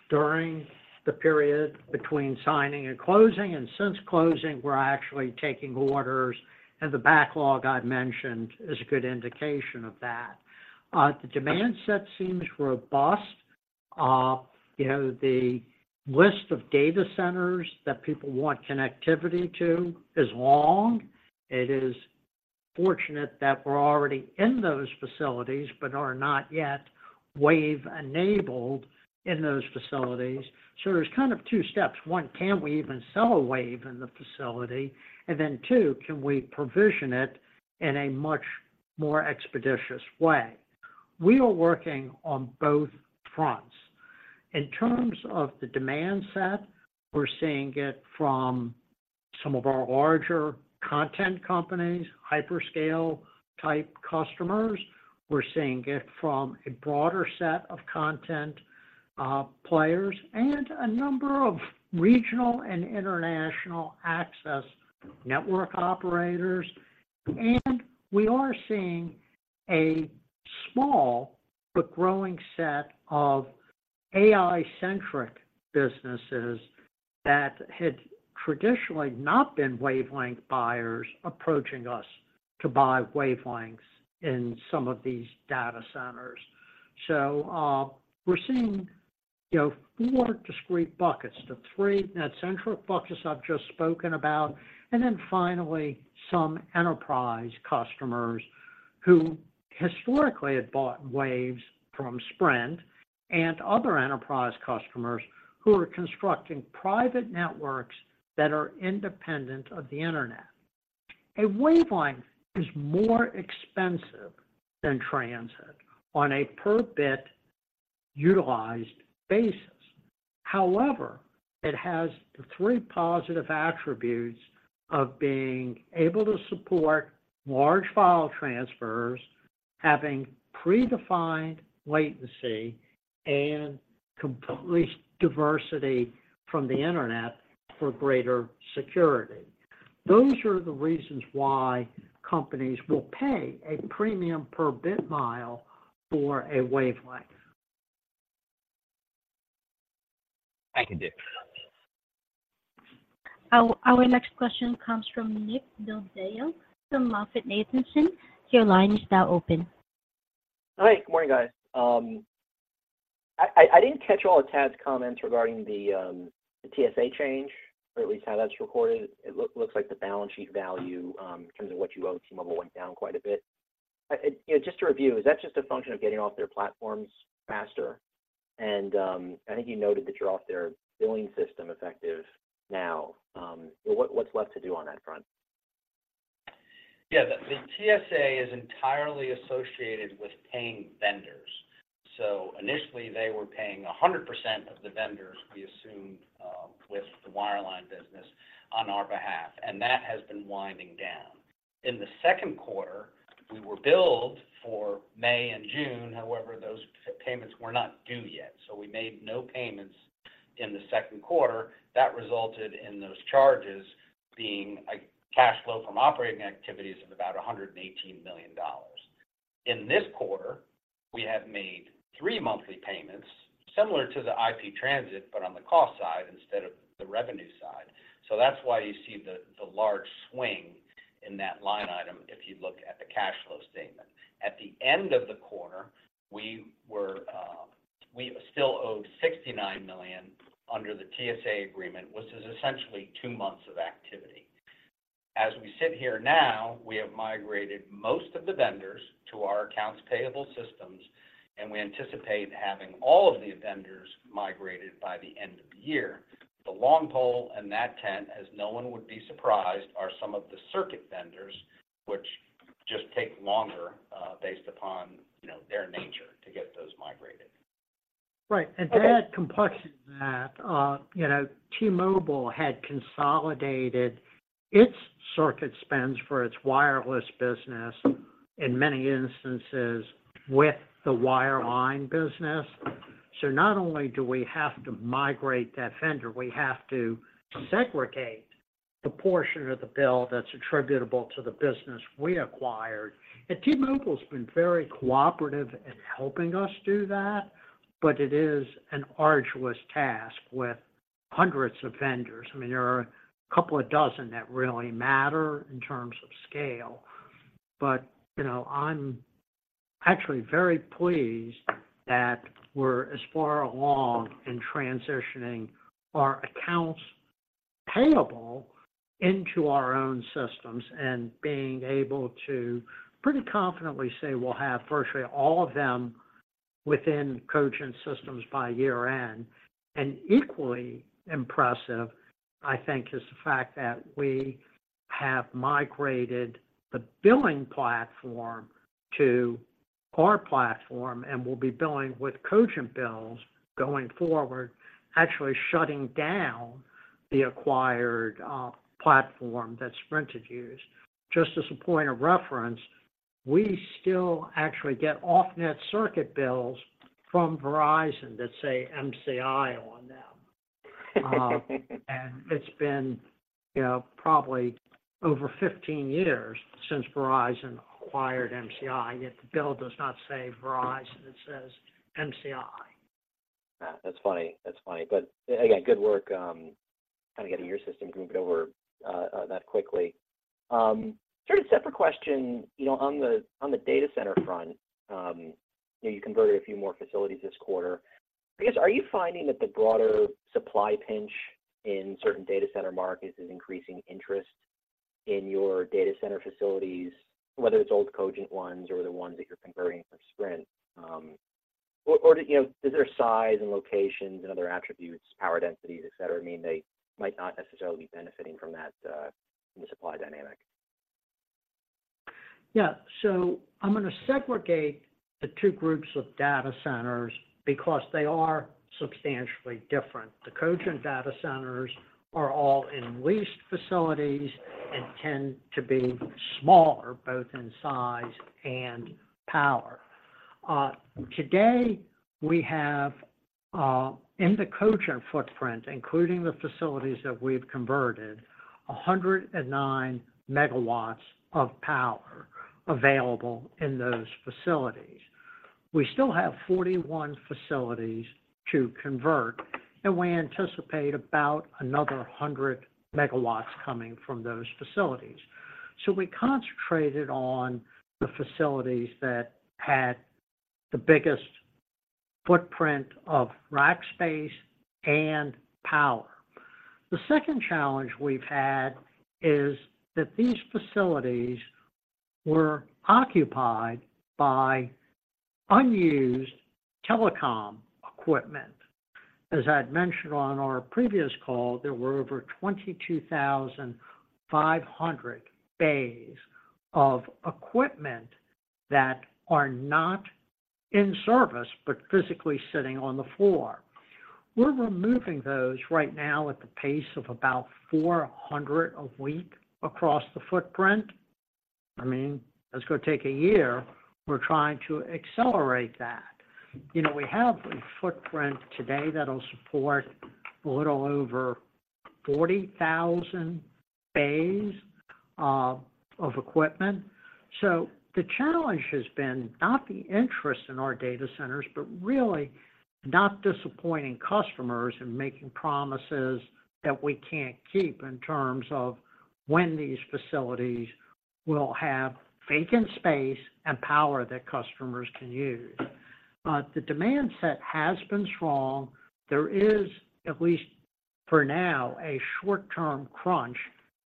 during the period between signing and closing, and since closing, we're actually taking orders, and the backlog I mentioned is a good indication of that. The demand set seems robust. You know, the list of data centers that people want connectivity to is long. It is fortunate that we're already in those facilities, but are not yet wave-enabled in those facilities. So there's kind of two steps. One, can we even sell a wave in the facility? And then two, can we provision it in a much more expeditious way? We are working on both fronts. In terms of the demand set, we're seeing it from some of our larger content companies, hyperscale-type customers. We're seeing it from a broader set of content players and a number of regional and international access network operators. And we are seeing a small but growing set of AI-centric businesses that had traditionally not been wavelength buyers, approaching us to buy wavelengths in some of these data centers. So, we're seeing, you know, four discrete buckets. The three net-centric buckets I've just spoken about, and then finally, some enterprise customers who historically had bought waves from Sprint, and other enterprise customers who are constructing private networks that are independent of the internet. A wavelength is more expensive than transit on a per bit utilized basis. However, it has the three positive attributes of being able to support large file transfers, having predefined latency, and complete diversity from the internet for greater security. Those are the reasons why companies will pay a premium per bit mile for a wavelength. Thank you, Dave. Our next question comes from Nick Del Deo from MoffettNathanson. Your line is now open. Hi, good morning, guys. I didn't catch all of Tad's comments regarding the TSA change, or at least how that's recorded. It looks like the balance sheet value, in terms of what you owe T-Mobile, went down quite a bit. You know, just to review, is that just a function of getting off their platforms faster? And I think you noted that you're off their billing system effective now. So what's left to do on that front? Yeah, the TSA is entirely associated with paying vendors. So initially, they were paying 100% of the vendors we assumed with the wireline business on our behalf, and that has been winding down. In the second quarter, we were billed for May and June, however, those payments were not due yet, so we made no payments in the second quarter. That resulted in those charges being a cash flow from operating activities of about $118 million. In this quarter, we have made 3 monthly payments, similar to the IP transit, but on the cost side instead of the revenue side. So that's why you see the large swing in that line item if you look at the cash flow statement. At the end of the quarter, we were, we still owed $69 million under the TSA agreement, which is essentially two months of activity. As we sit here now, we have migrated most of the vendors to our accounts payable systems. ... and we anticipate having all of the vendors migrated by the end of the year. The long pole in that tent, as no one would be surprised, are some of the circuit vendors, which just take longer, based upon, you know, their nature to get those migrated. Right. Okay. To add complexity to that, you know, T-Mobile had consolidated its circuit spends for its wireless business, in many instances, with the wireline business. So not only do we have to migrate that vendor, we have to segregate the portion of the bill that's attributable to the business we acquired. And T-Mobile's been very cooperative in helping us do that, but it is an arduous task with hundreds of vendors. I mean, there are a couple of dozen that really matter in terms of scale. But, you know, I'm actually very pleased that we're as far along in transitioning our accounts payable into our own systems, and being able to pretty confidently say we'll have virtually all of them within Cogent systems by year-end. And equally impressive, I think, is the fact that we have migrated the billing platform to our platform, and we'll be billing with Cogent bills going forward, actually shutting down the acquired platform that Sprint had used. Just as a point of reference, we still actually get off-net circuit bills from Verizon that say MCI on them. And it's been, you know, probably over 15 years since Verizon acquired MCI, yet the bill does not say Verizon, it says MCI. Yeah, that's funny. That's funny. But again, good work, kind of getting your system moved over, that quickly. Sort of separate question, you know, on the data center front, you know, you converted a few more facilities this quarter. I guess, are you finding that the broader supply pinch in certain data center markets is increasing interest in your data center facilities, whether it's old Cogent ones or the ones that you're converting from Sprint? Or, you know, is there size and locations and other attributes, power densities, et cetera, mean they might not necessarily be benefiting from that, from the supply dynamic? Yeah. So I'm gonna segregate the two groups of data centers because they are substantially different. The Cogent data centers are all in leased facilities and tend to be smaller, both in size and power. Today, we have, in the Cogent footprint, including the facilities that we've converted, 109 MW of power available in those facilities. We still have 41 facilities to convert, and we anticipate about another 100 MW coming from those facilities. So we concentrated on the facilities that had the biggest footprint of rack space and power. The second challenge we've had is that these facilities were occupied by unused telecom equipment. As I'd mentioned on our previous call, there were over 22,500 bays of equipment that are not in service, but physically sitting on the floor. We're removing those right now at the pace of about 400 a week across the footprint. I mean, that's gonna take a year. We're trying to accelerate that. You know, we have a footprint today that'll support a little over 40,000 bays of equipment. So the challenge has been, not the interest in our data centers, but really not disappointing customers and making promises that we can't keep, in terms of when these facilities will have vacant space and power that customers can use. The demand set has been strong. There is, at least for now, a short-term crunch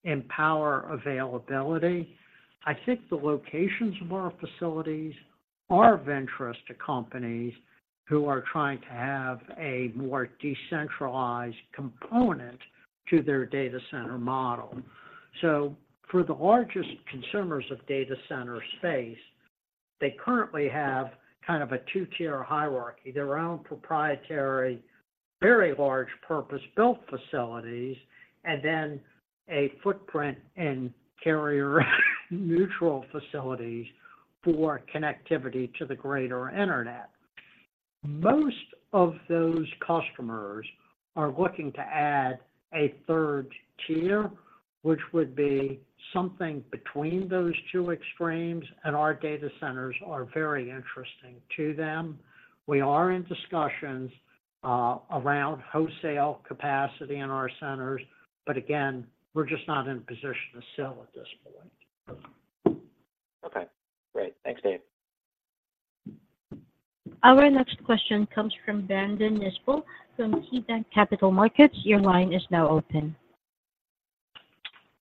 in power availability. I think the locations of our facilities are of interest to companies who are trying to have a more decentralized component to their data center model. So for the largest consumers of data center space, they currently have kind of a two-tier hierarchy, their own proprietary, very large, purpose-built facilities, and then a footprint in carrier-neutral facilities for connectivity to the greater internet. Most of those customers are looking to add a third tier, which would be something between those two extremes, and our data centers are very interesting to them. We are in discussions around wholesale capacity in our centers, but again, we're just not in a position to sell at this point. Okay, great. Thanks, Dave. Our next question comes from Brandon Nispel from KeyBanc Capital Markets. Your line is now open. ...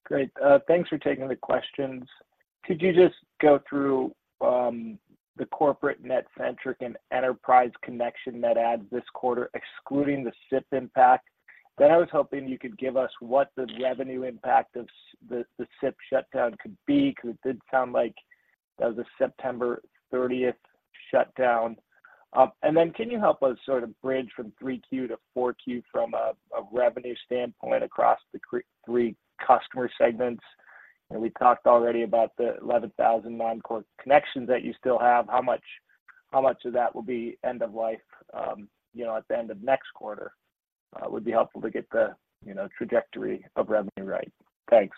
Great. Thanks for taking the questions. Could you just go through the corporate NetCentric and enterprise connection net adds this quarter, excluding the SIP impact? Then I was hoping you could give us what the revenue impact of the SIP shutdown could be, because it did sound like that was a September 30th shutdown. And then can you help us sort of bridge from 3Q to 4Q from a revenue standpoint across the three customer segments? And we talked already about the 11,000 non-core connections that you still have. How much of that will be end of life, you know, at the end of next quarter would be helpful to get the trajectory of revenue right. Thanks.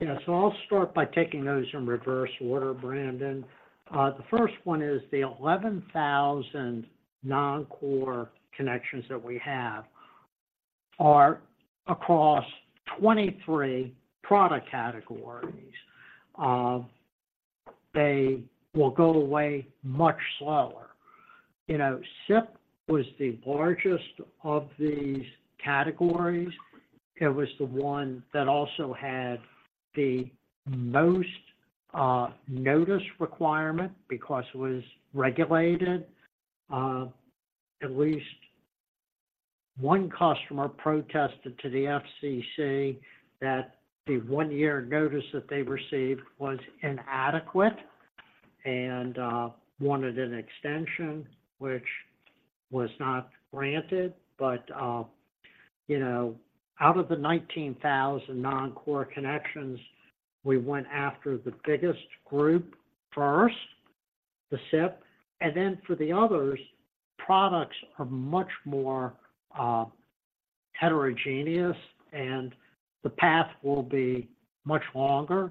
Yeah. So I'll start by taking those in reverse order, Brandon. The first one is the 11,000 non-core connections that we have are across 23 product categories. They will go away much slower. You know, SIP was the largest of these categories. It was the one that also had the most notice requirement because it was regulated. At least one customer protested to the FCC that the one-year notice that they received was inadequate and wanted an extension, which was not granted. But you know, out of the 19,000 non-core connections, we went after the biggest group first, the SIP, and then for the others, products are much more heterogeneous, and the path will be much longer.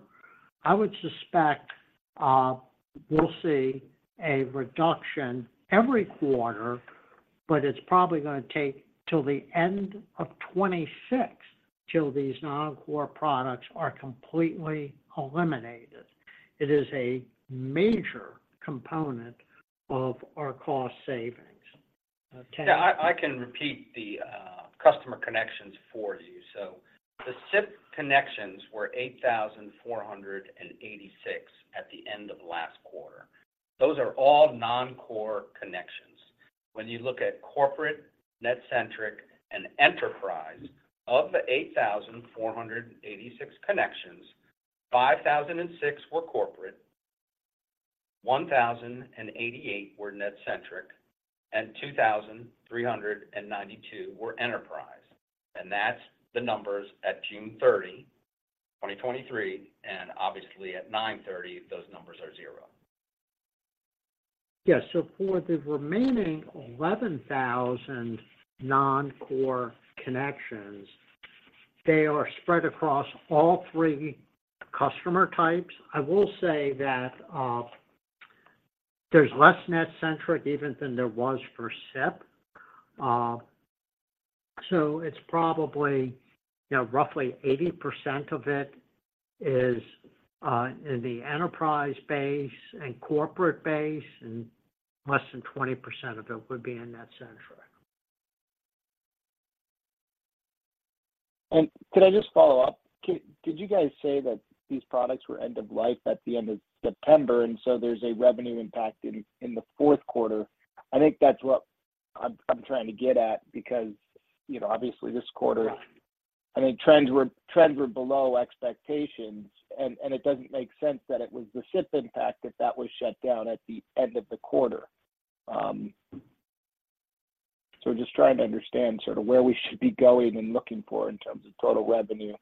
I would suspect, we'll see a reduction every quarter, but it's probably gonna take till the end of 2026 till these non-core products are completely eliminated. It is a major component of our cost savings. Ken? Yeah, I can repeat the customer connections for you. So the SIP connections were 8,486 at the end of last quarter. Those are all non-core connections. When you look at corporate, NetCentric, and enterprise, of the 8,486 connections, 5,006 were corporate, 1,088 were NetCentric, and 2,392 were enterprise. And that's the numbers at June 30, 2023, and obviously at September 30, those numbers are zero. Yeah. So for the remaining 11,000 non-core connections, they are spread across all three customer types. I will say that, there's less NetCentric even than there was for SIP. So it's probably, you know, roughly 80% of it is in the enterprise base and corporate base, and less than 20% of it would be in NetCentric. Could I just follow up? Did you guys say that these products were end of life at the end of September, and so there's a revenue impact in the fourth quarter? I think that's what I'm trying to get at, because, you know, obviously this quarter- Yeah... I mean, trends were below expectations, and it doesn't make sense that it was the SIP impact, if that was shut down at the end of the quarter. So just trying to understand sort of where we should be going and looking for in terms of total revenue,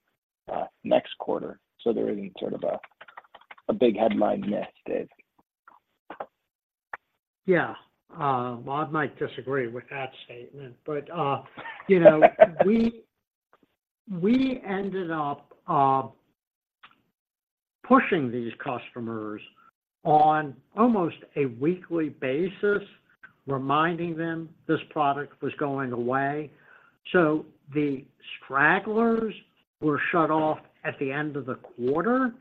next quarter, so there isn't sort of a big headline miss, Dave. Yeah. Well, I might disagree with that statement, but you know, we ended up pushing these customers on almost a weekly basis, reminding them this product was going away. So the stragglers were shut off at the end of the quarter,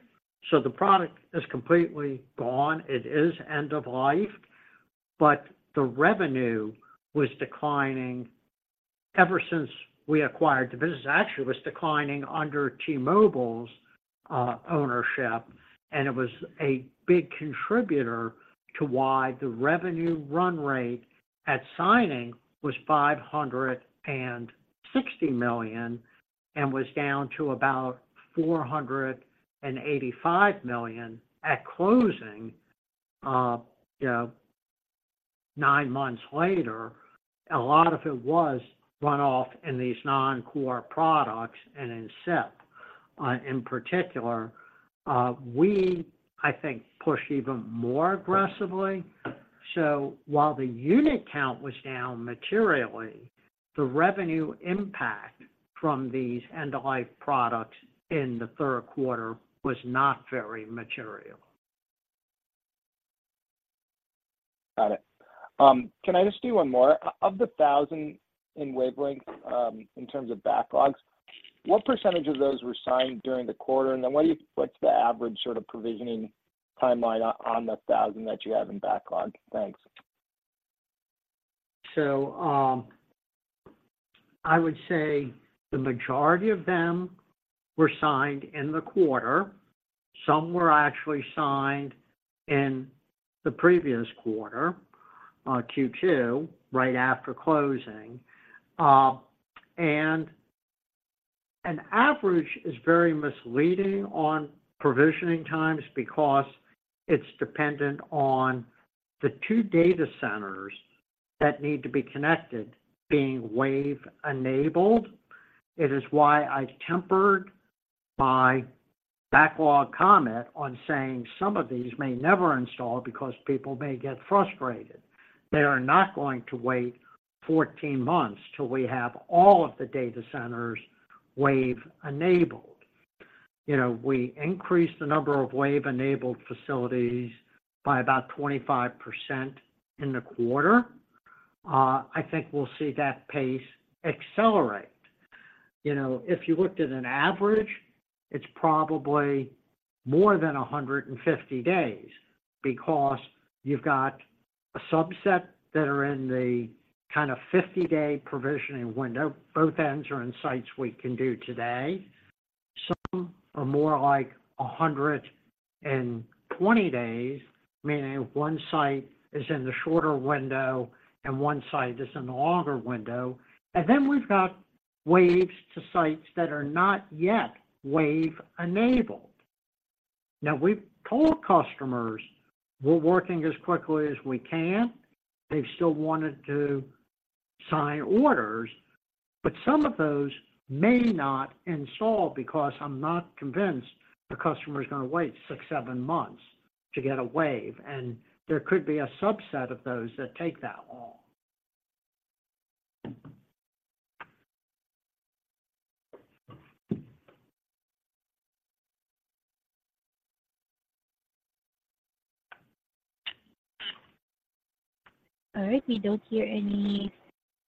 so the product is completely gone. It is end of life, but the revenue was declining ever since we acquired the business. Actually, it was declining under T-Mobile's ownership, and it was a big contributor to why the revenue run rate at signing was $560 million, and was down to about $485 million at closing, you know, nine months later. A lot of it was run off in these non-core products and in SIP, in particular. We, I think, pushed even more aggressively. So while the unit count was down materially, the revenue impact from these end-of-life products in the third quarter was not very material. Got it. Can I just do one more? Of the 1,000 in Wavelength, in terms of backlogs, what percentage of those were signed during the quarter, and then what's the average sort of provisioning timeline on the 1,000 that you have in backlog? Thanks. So, I would say the majority of them were signed in the quarter. Some were actually signed in the previous quarter, Q2, right after closing. And an average is very misleading on provisioning times because it's dependent on the two data centers that need to be connected being WAVE enabled. It is why I tempered my backlog comment on saying some of these may never install because people may get frustrated. They are not going to wait 14 months till we have all of the data centers WAVE enabled. You know, we increased the number of WAVE-enabled facilities by about 25% in the quarter. I think we'll see that pace accelerate. You know, if you looked at an average, it's probably more than 150 days because you've got a subset that are in the kind of 50-day provisioning window. Both ends are in sites we can do today. Some are more like 120 days, meaning one site is in the shorter window and one site is in the longer window. And then we've got WAVES to sites that are not yet WAVE enabled. Now, we've told customers we're working as quickly as we can. They've still wanted to sign orders, but some of those may not install because I'm not convinced the customer's going to wait 6-7 months to get a WAVE, and there could be a subset of those that take that long. All right, we don't hear any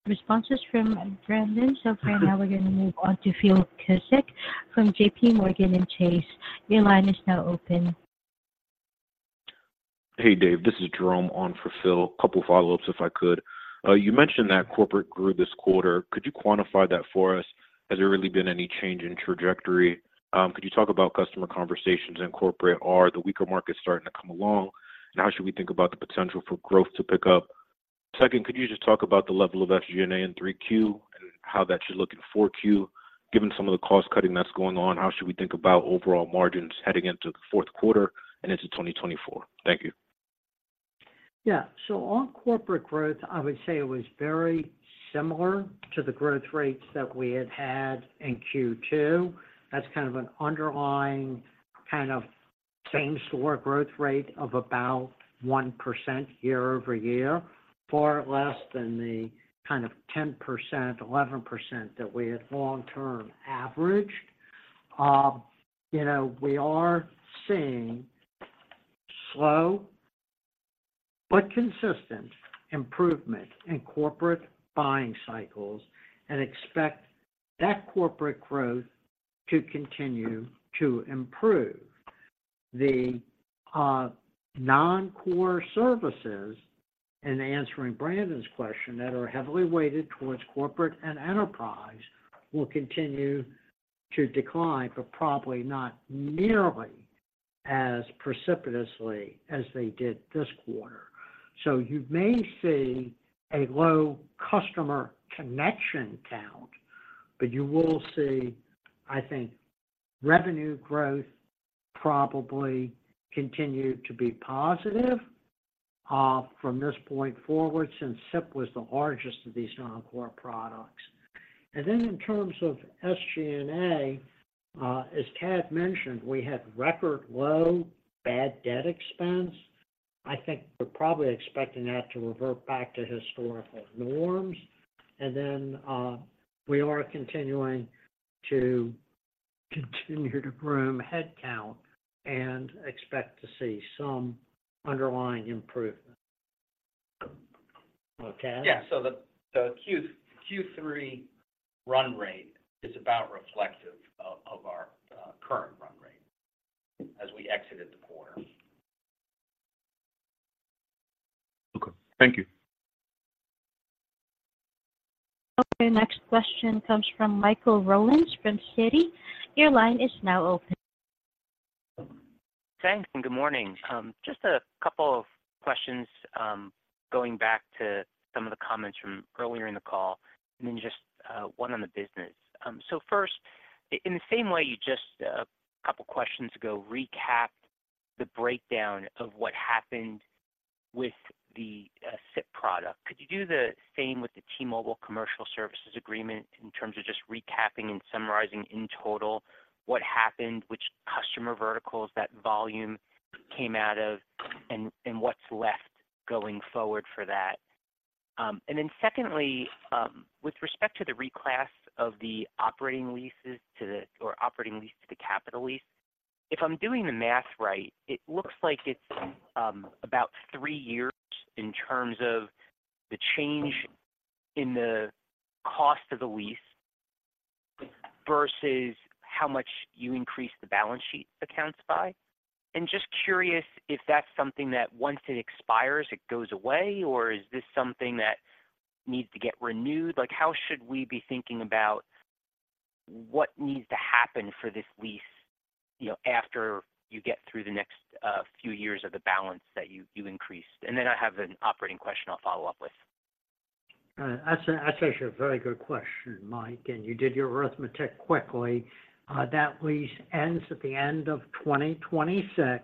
responses from Brandon. So for now, we're going to move on to Phil Cusick from JPMorgan Chase. Your line is now open. Hey, Dave, this is Jerome on for Phil. Couple follow-ups, if I could. You mentioned that corporate grew this quarter. Could you quantify that for us? Has there really been any change in trajectory? Could you talk about customer conversations in corporate? Are the weaker markets starting to come along, and how should we think about the potential for growth to pick up? Second, could you just talk about the level of SG&A in 3Q and how that should look in 4Q? Given some of the cost-cutting that's going on, how should we think about overall margins heading into the fourth quarter and into 2024? Thank you. Yeah. So on corporate growth, I would say it was very similar to the growth rates that we had had in Q2. That's kind of an underlying, kind of, same-store growth rate of about 1% year-over-year, far less than the kind of 10%, 11% that we had long-term averaged. You know, we are seeing slow, but consistent improvement in corporate buying cycles and expect that corporate growth to continue to improve. The non-core services, and answering Brandon's question, that are heavily weighted towards corporate and enterprise, will continue to decline, but probably not nearly as precipitously as they did this quarter. So you may see a low customer connection count, but you will see, I think, revenue growth probably continue to be positive from this point forward, since SIP was the largest of these non-core products. And then in terms of SG&A, as Tad mentioned, we had record low bad debt expense. I think we're probably expecting that to revert back to historical norms. And then, we are continuing to continue to groom headcount and expect to see some underlying improvement. Well, Tad? Yeah. So the Q3 run rate is about reflective of our current run rate as we exited the quarter. Okay, thank you. Okay. Next question comes from Michael Rollins from Citi. Your line is now open. Thanks, and good morning. Just a couple of questions, going back to some of the comments from earlier in the call, and then just one on the business. So first, in the same way you just, a couple of questions ago, recapped the breakdown of what happened with the SIP product. Could you do the same with the T-Mobile commercial services agreement in terms of just recapping and summarizing in total what happened, which customer verticals that volume came out of, and what's left going forward for that? And then secondly, with respect to the reclass of the operating leases to the, or operating lease to the capital lease, if I'm doing the math right, it looks like it's about three years in terms of the change in the cost of the lease. versus how much you increase the balance sheet accounts by? And just curious if that's something that once it expires, it goes away, or is this something that needs to get renewed? Like, how should we be thinking about what needs to happen for this lease, you know, after you get through the next few years of the balance that you, you increased? And then I have an operating question I'll follow up with. That's actually a very good question, Mike, and you did your arithmetic quickly. That lease ends at the end of 2026.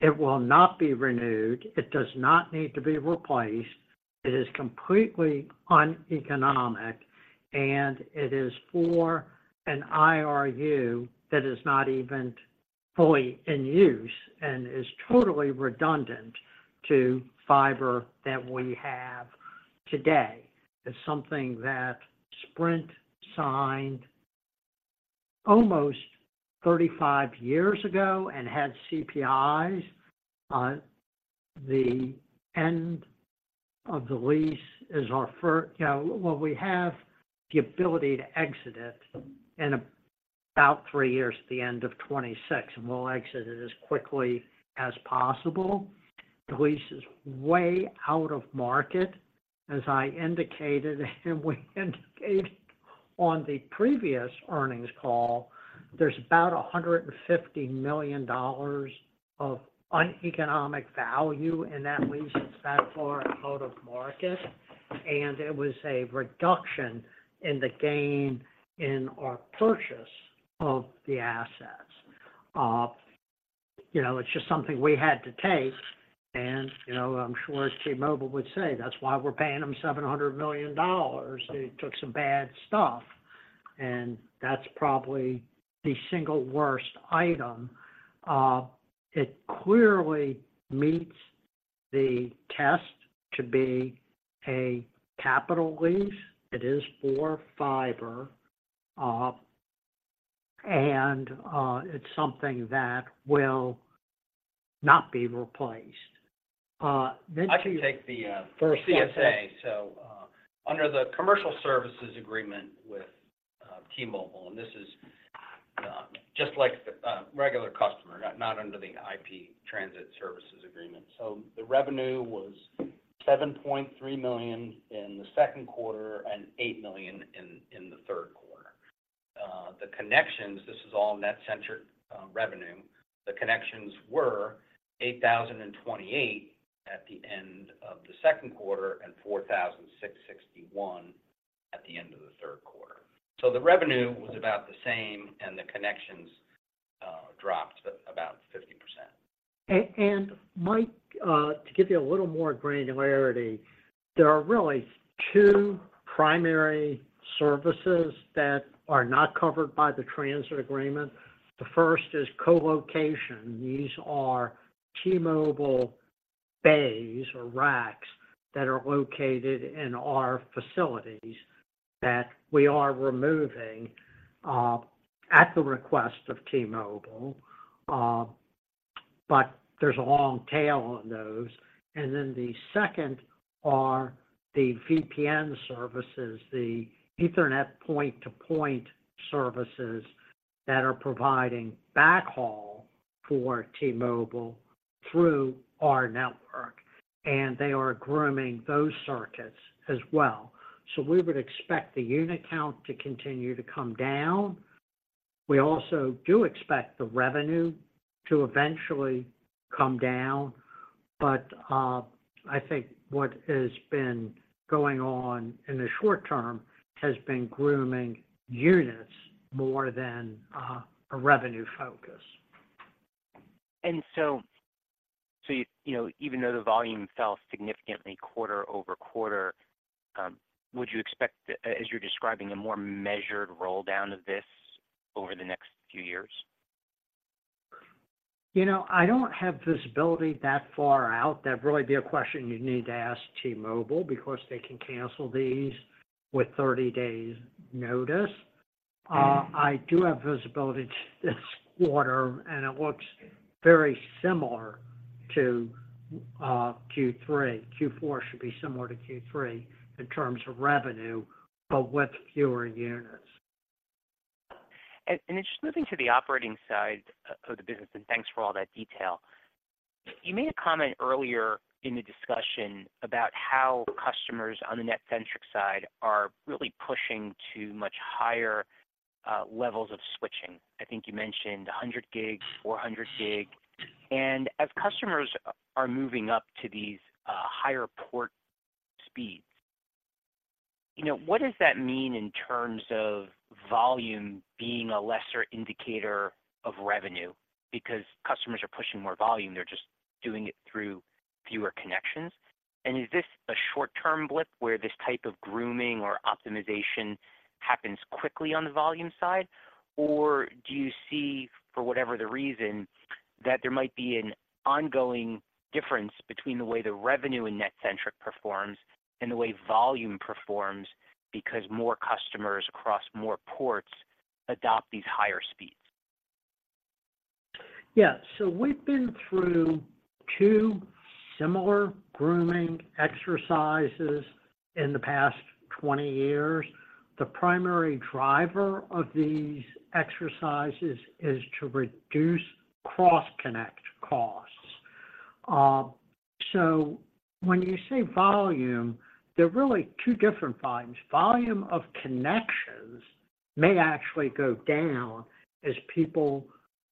It will not be renewed. It does not need to be replaced. It is completely uneconomic, and it is for an IRU that is not even fully in use and is totally redundant to fiber that we have today. It's something that Sprint signed almost 35 years ago and had CPIs. Now, well, we have the ability to exit it in about 3 years, at the end of 26, and we'll exit it as quickly as possible. The lease is way out of market, as I indicated, and we indicated on the previous earnings call. There's about $150 million of uneconomic value in that lease. It's that far out of market, and it was a reduction in the gain in our purchase of the assets. You know, it's just something we had to take, and, you know, I'm sure T-Mobile would say, "That's why we're paying them $700 million. They took some bad stuff," and that's probably the single worst item. It clearly meets the test to be a capital lease. It is for fiber, and it's something that will not be replaced. Then to- I can take the CSA. So, under the commercial services agreement with T-Mobile, and this is just like the regular customer, not under the IP Transit Services agreement. So the revenue was $7.3 million in the second quarter and $8 million in the third quarter. The connections, this is all NetCentric revenue, the connections were 8,028 at the end of the second quarter, and 4,661 at the end of the third quarter. So the revenue was about the same, and the connections dropped about 50%. And Mike, to give you a little more granularity, there are really two primary services that are not covered by the transit agreement. The first is colocation. These are T-Mobile bays or racks that are located in our facilities, that we are removing at the request of T-Mobile. But there's a long tail on those. And then the second are the VPN services, the Ethernet point-to-point services that are providing backhaul for T-Mobile through our network, and they are grooming those circuits as well. So we would expect the unit count to continue to come down. We also do expect the revenue to eventually come down, but I think what has been going on in the short term has been grooming units more than a revenue focus. And so, you know, even though the volume fell significantly quarter-over-quarter, would you expect, as you're describing, a more measured roll down of this over the next few years? You know, I don't have visibility that far out. That'd really be a question you'd need to ask T-Mobile, because they can cancel these with thirty days notice. I do have visibility to this quarter, and it looks very similar to Q3. Q4 should be similar to Q3 in terms of revenue, but with fewer units. Just moving to the operating side of the business, and thanks for all that detail. You made a comment earlier in the discussion about how customers on the NetCentric side are really pushing to much higher levels of switching. I think you mentioned 100 gig, 400 gig. And as customers are moving up to these higher port speeds, you know, what does that mean in terms of volume being a lesser indicator of revenue? Because customers are pushing more volume, they're just doing it through fewer connections. Is this a short-term blip, where this type of grooming or optimization happens quickly on the volume side, or do you see, for whatever the reason, that there might be an ongoing difference between the way the revenue in NetCentric performs and the way volume performs, because more customers across more ports adopt these higher speeds?... Yeah. So we've been through two similar grooming exercises in the past 20 years. The primary driver of these exercises is to reduce cross-connect costs. So when you say volume, they're really two different volumes. Volume of connections may actually go down as people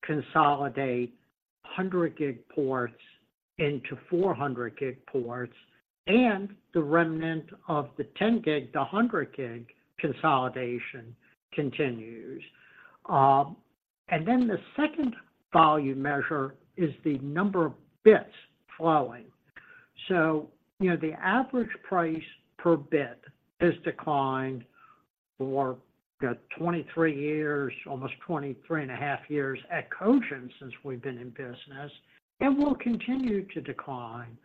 consolidate 100 gig ports into 400 gig ports, and the remnant of the 10 gig to a 100 gig consolidation continues. And then the second volume measure is the number of bits flowing. So, you know, the average price per bit has declined for, 23 years, almost 23 and a half years at Cogent since we've been in business, and will continue to decline.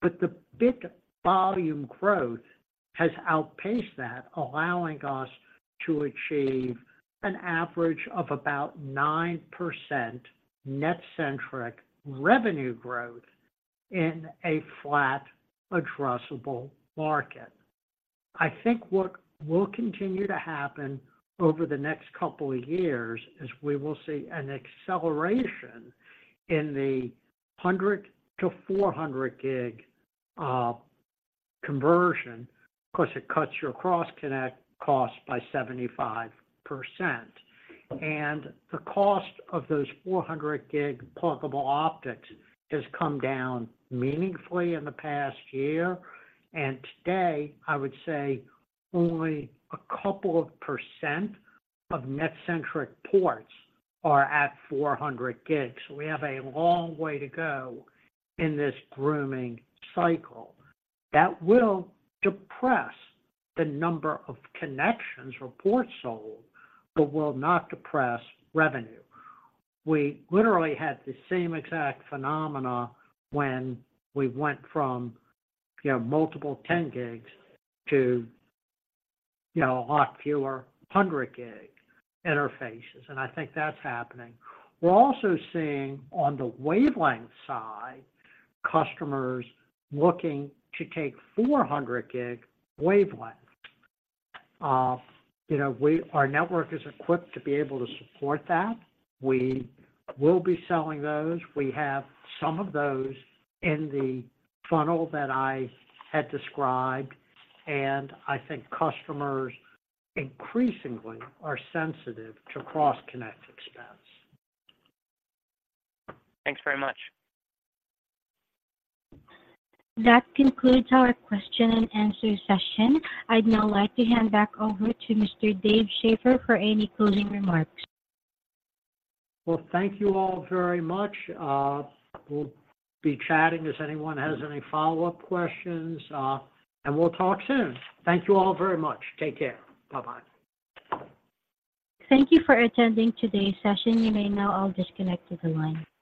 But the bit volume growth has outpaced that, allowing us to achieve an average of about 9% net-centric revenue growth in a flat addressable market. I think what will continue to happen over the next couple of years, is we will see an acceleration in the 100-400 gig conversion, because it cuts your cross-connect cost by 75%. And the cost of those 400 gig pluggable optics has come down meaningfully in the past year, and today, I would say only a couple of percent of NetCentric ports are at 400 gigs. We have a long way to go in this grooming cycle. That will depress the number of connections or ports sold, but will not depress revenue. We literally had the same exact phenomena when we went from, you know, multiple 10 gigs to, you know, a lot fewer 100 gig interfaces, and I think that's happening. We're also seeing on the wavelength side, customers looking to take 400 gig wavelengths. You know, our network is equipped to be able to support that. We will be selling those. We have some of those in the funnel that I had described, and I think customers increasingly are sensitive to cross-connect expense. Thanks very much. That concludes our question and answer session. I'd now like to hand back over to Mr. Dave Schaeffer for any closing remarks. Well, thank you all very much. We'll be chatting if anyone has any follow-up questions, and we'll talk soon. Thank you all very much. Take care. Bye-by Thank you for attending today's session. You may now all disconnect to the line.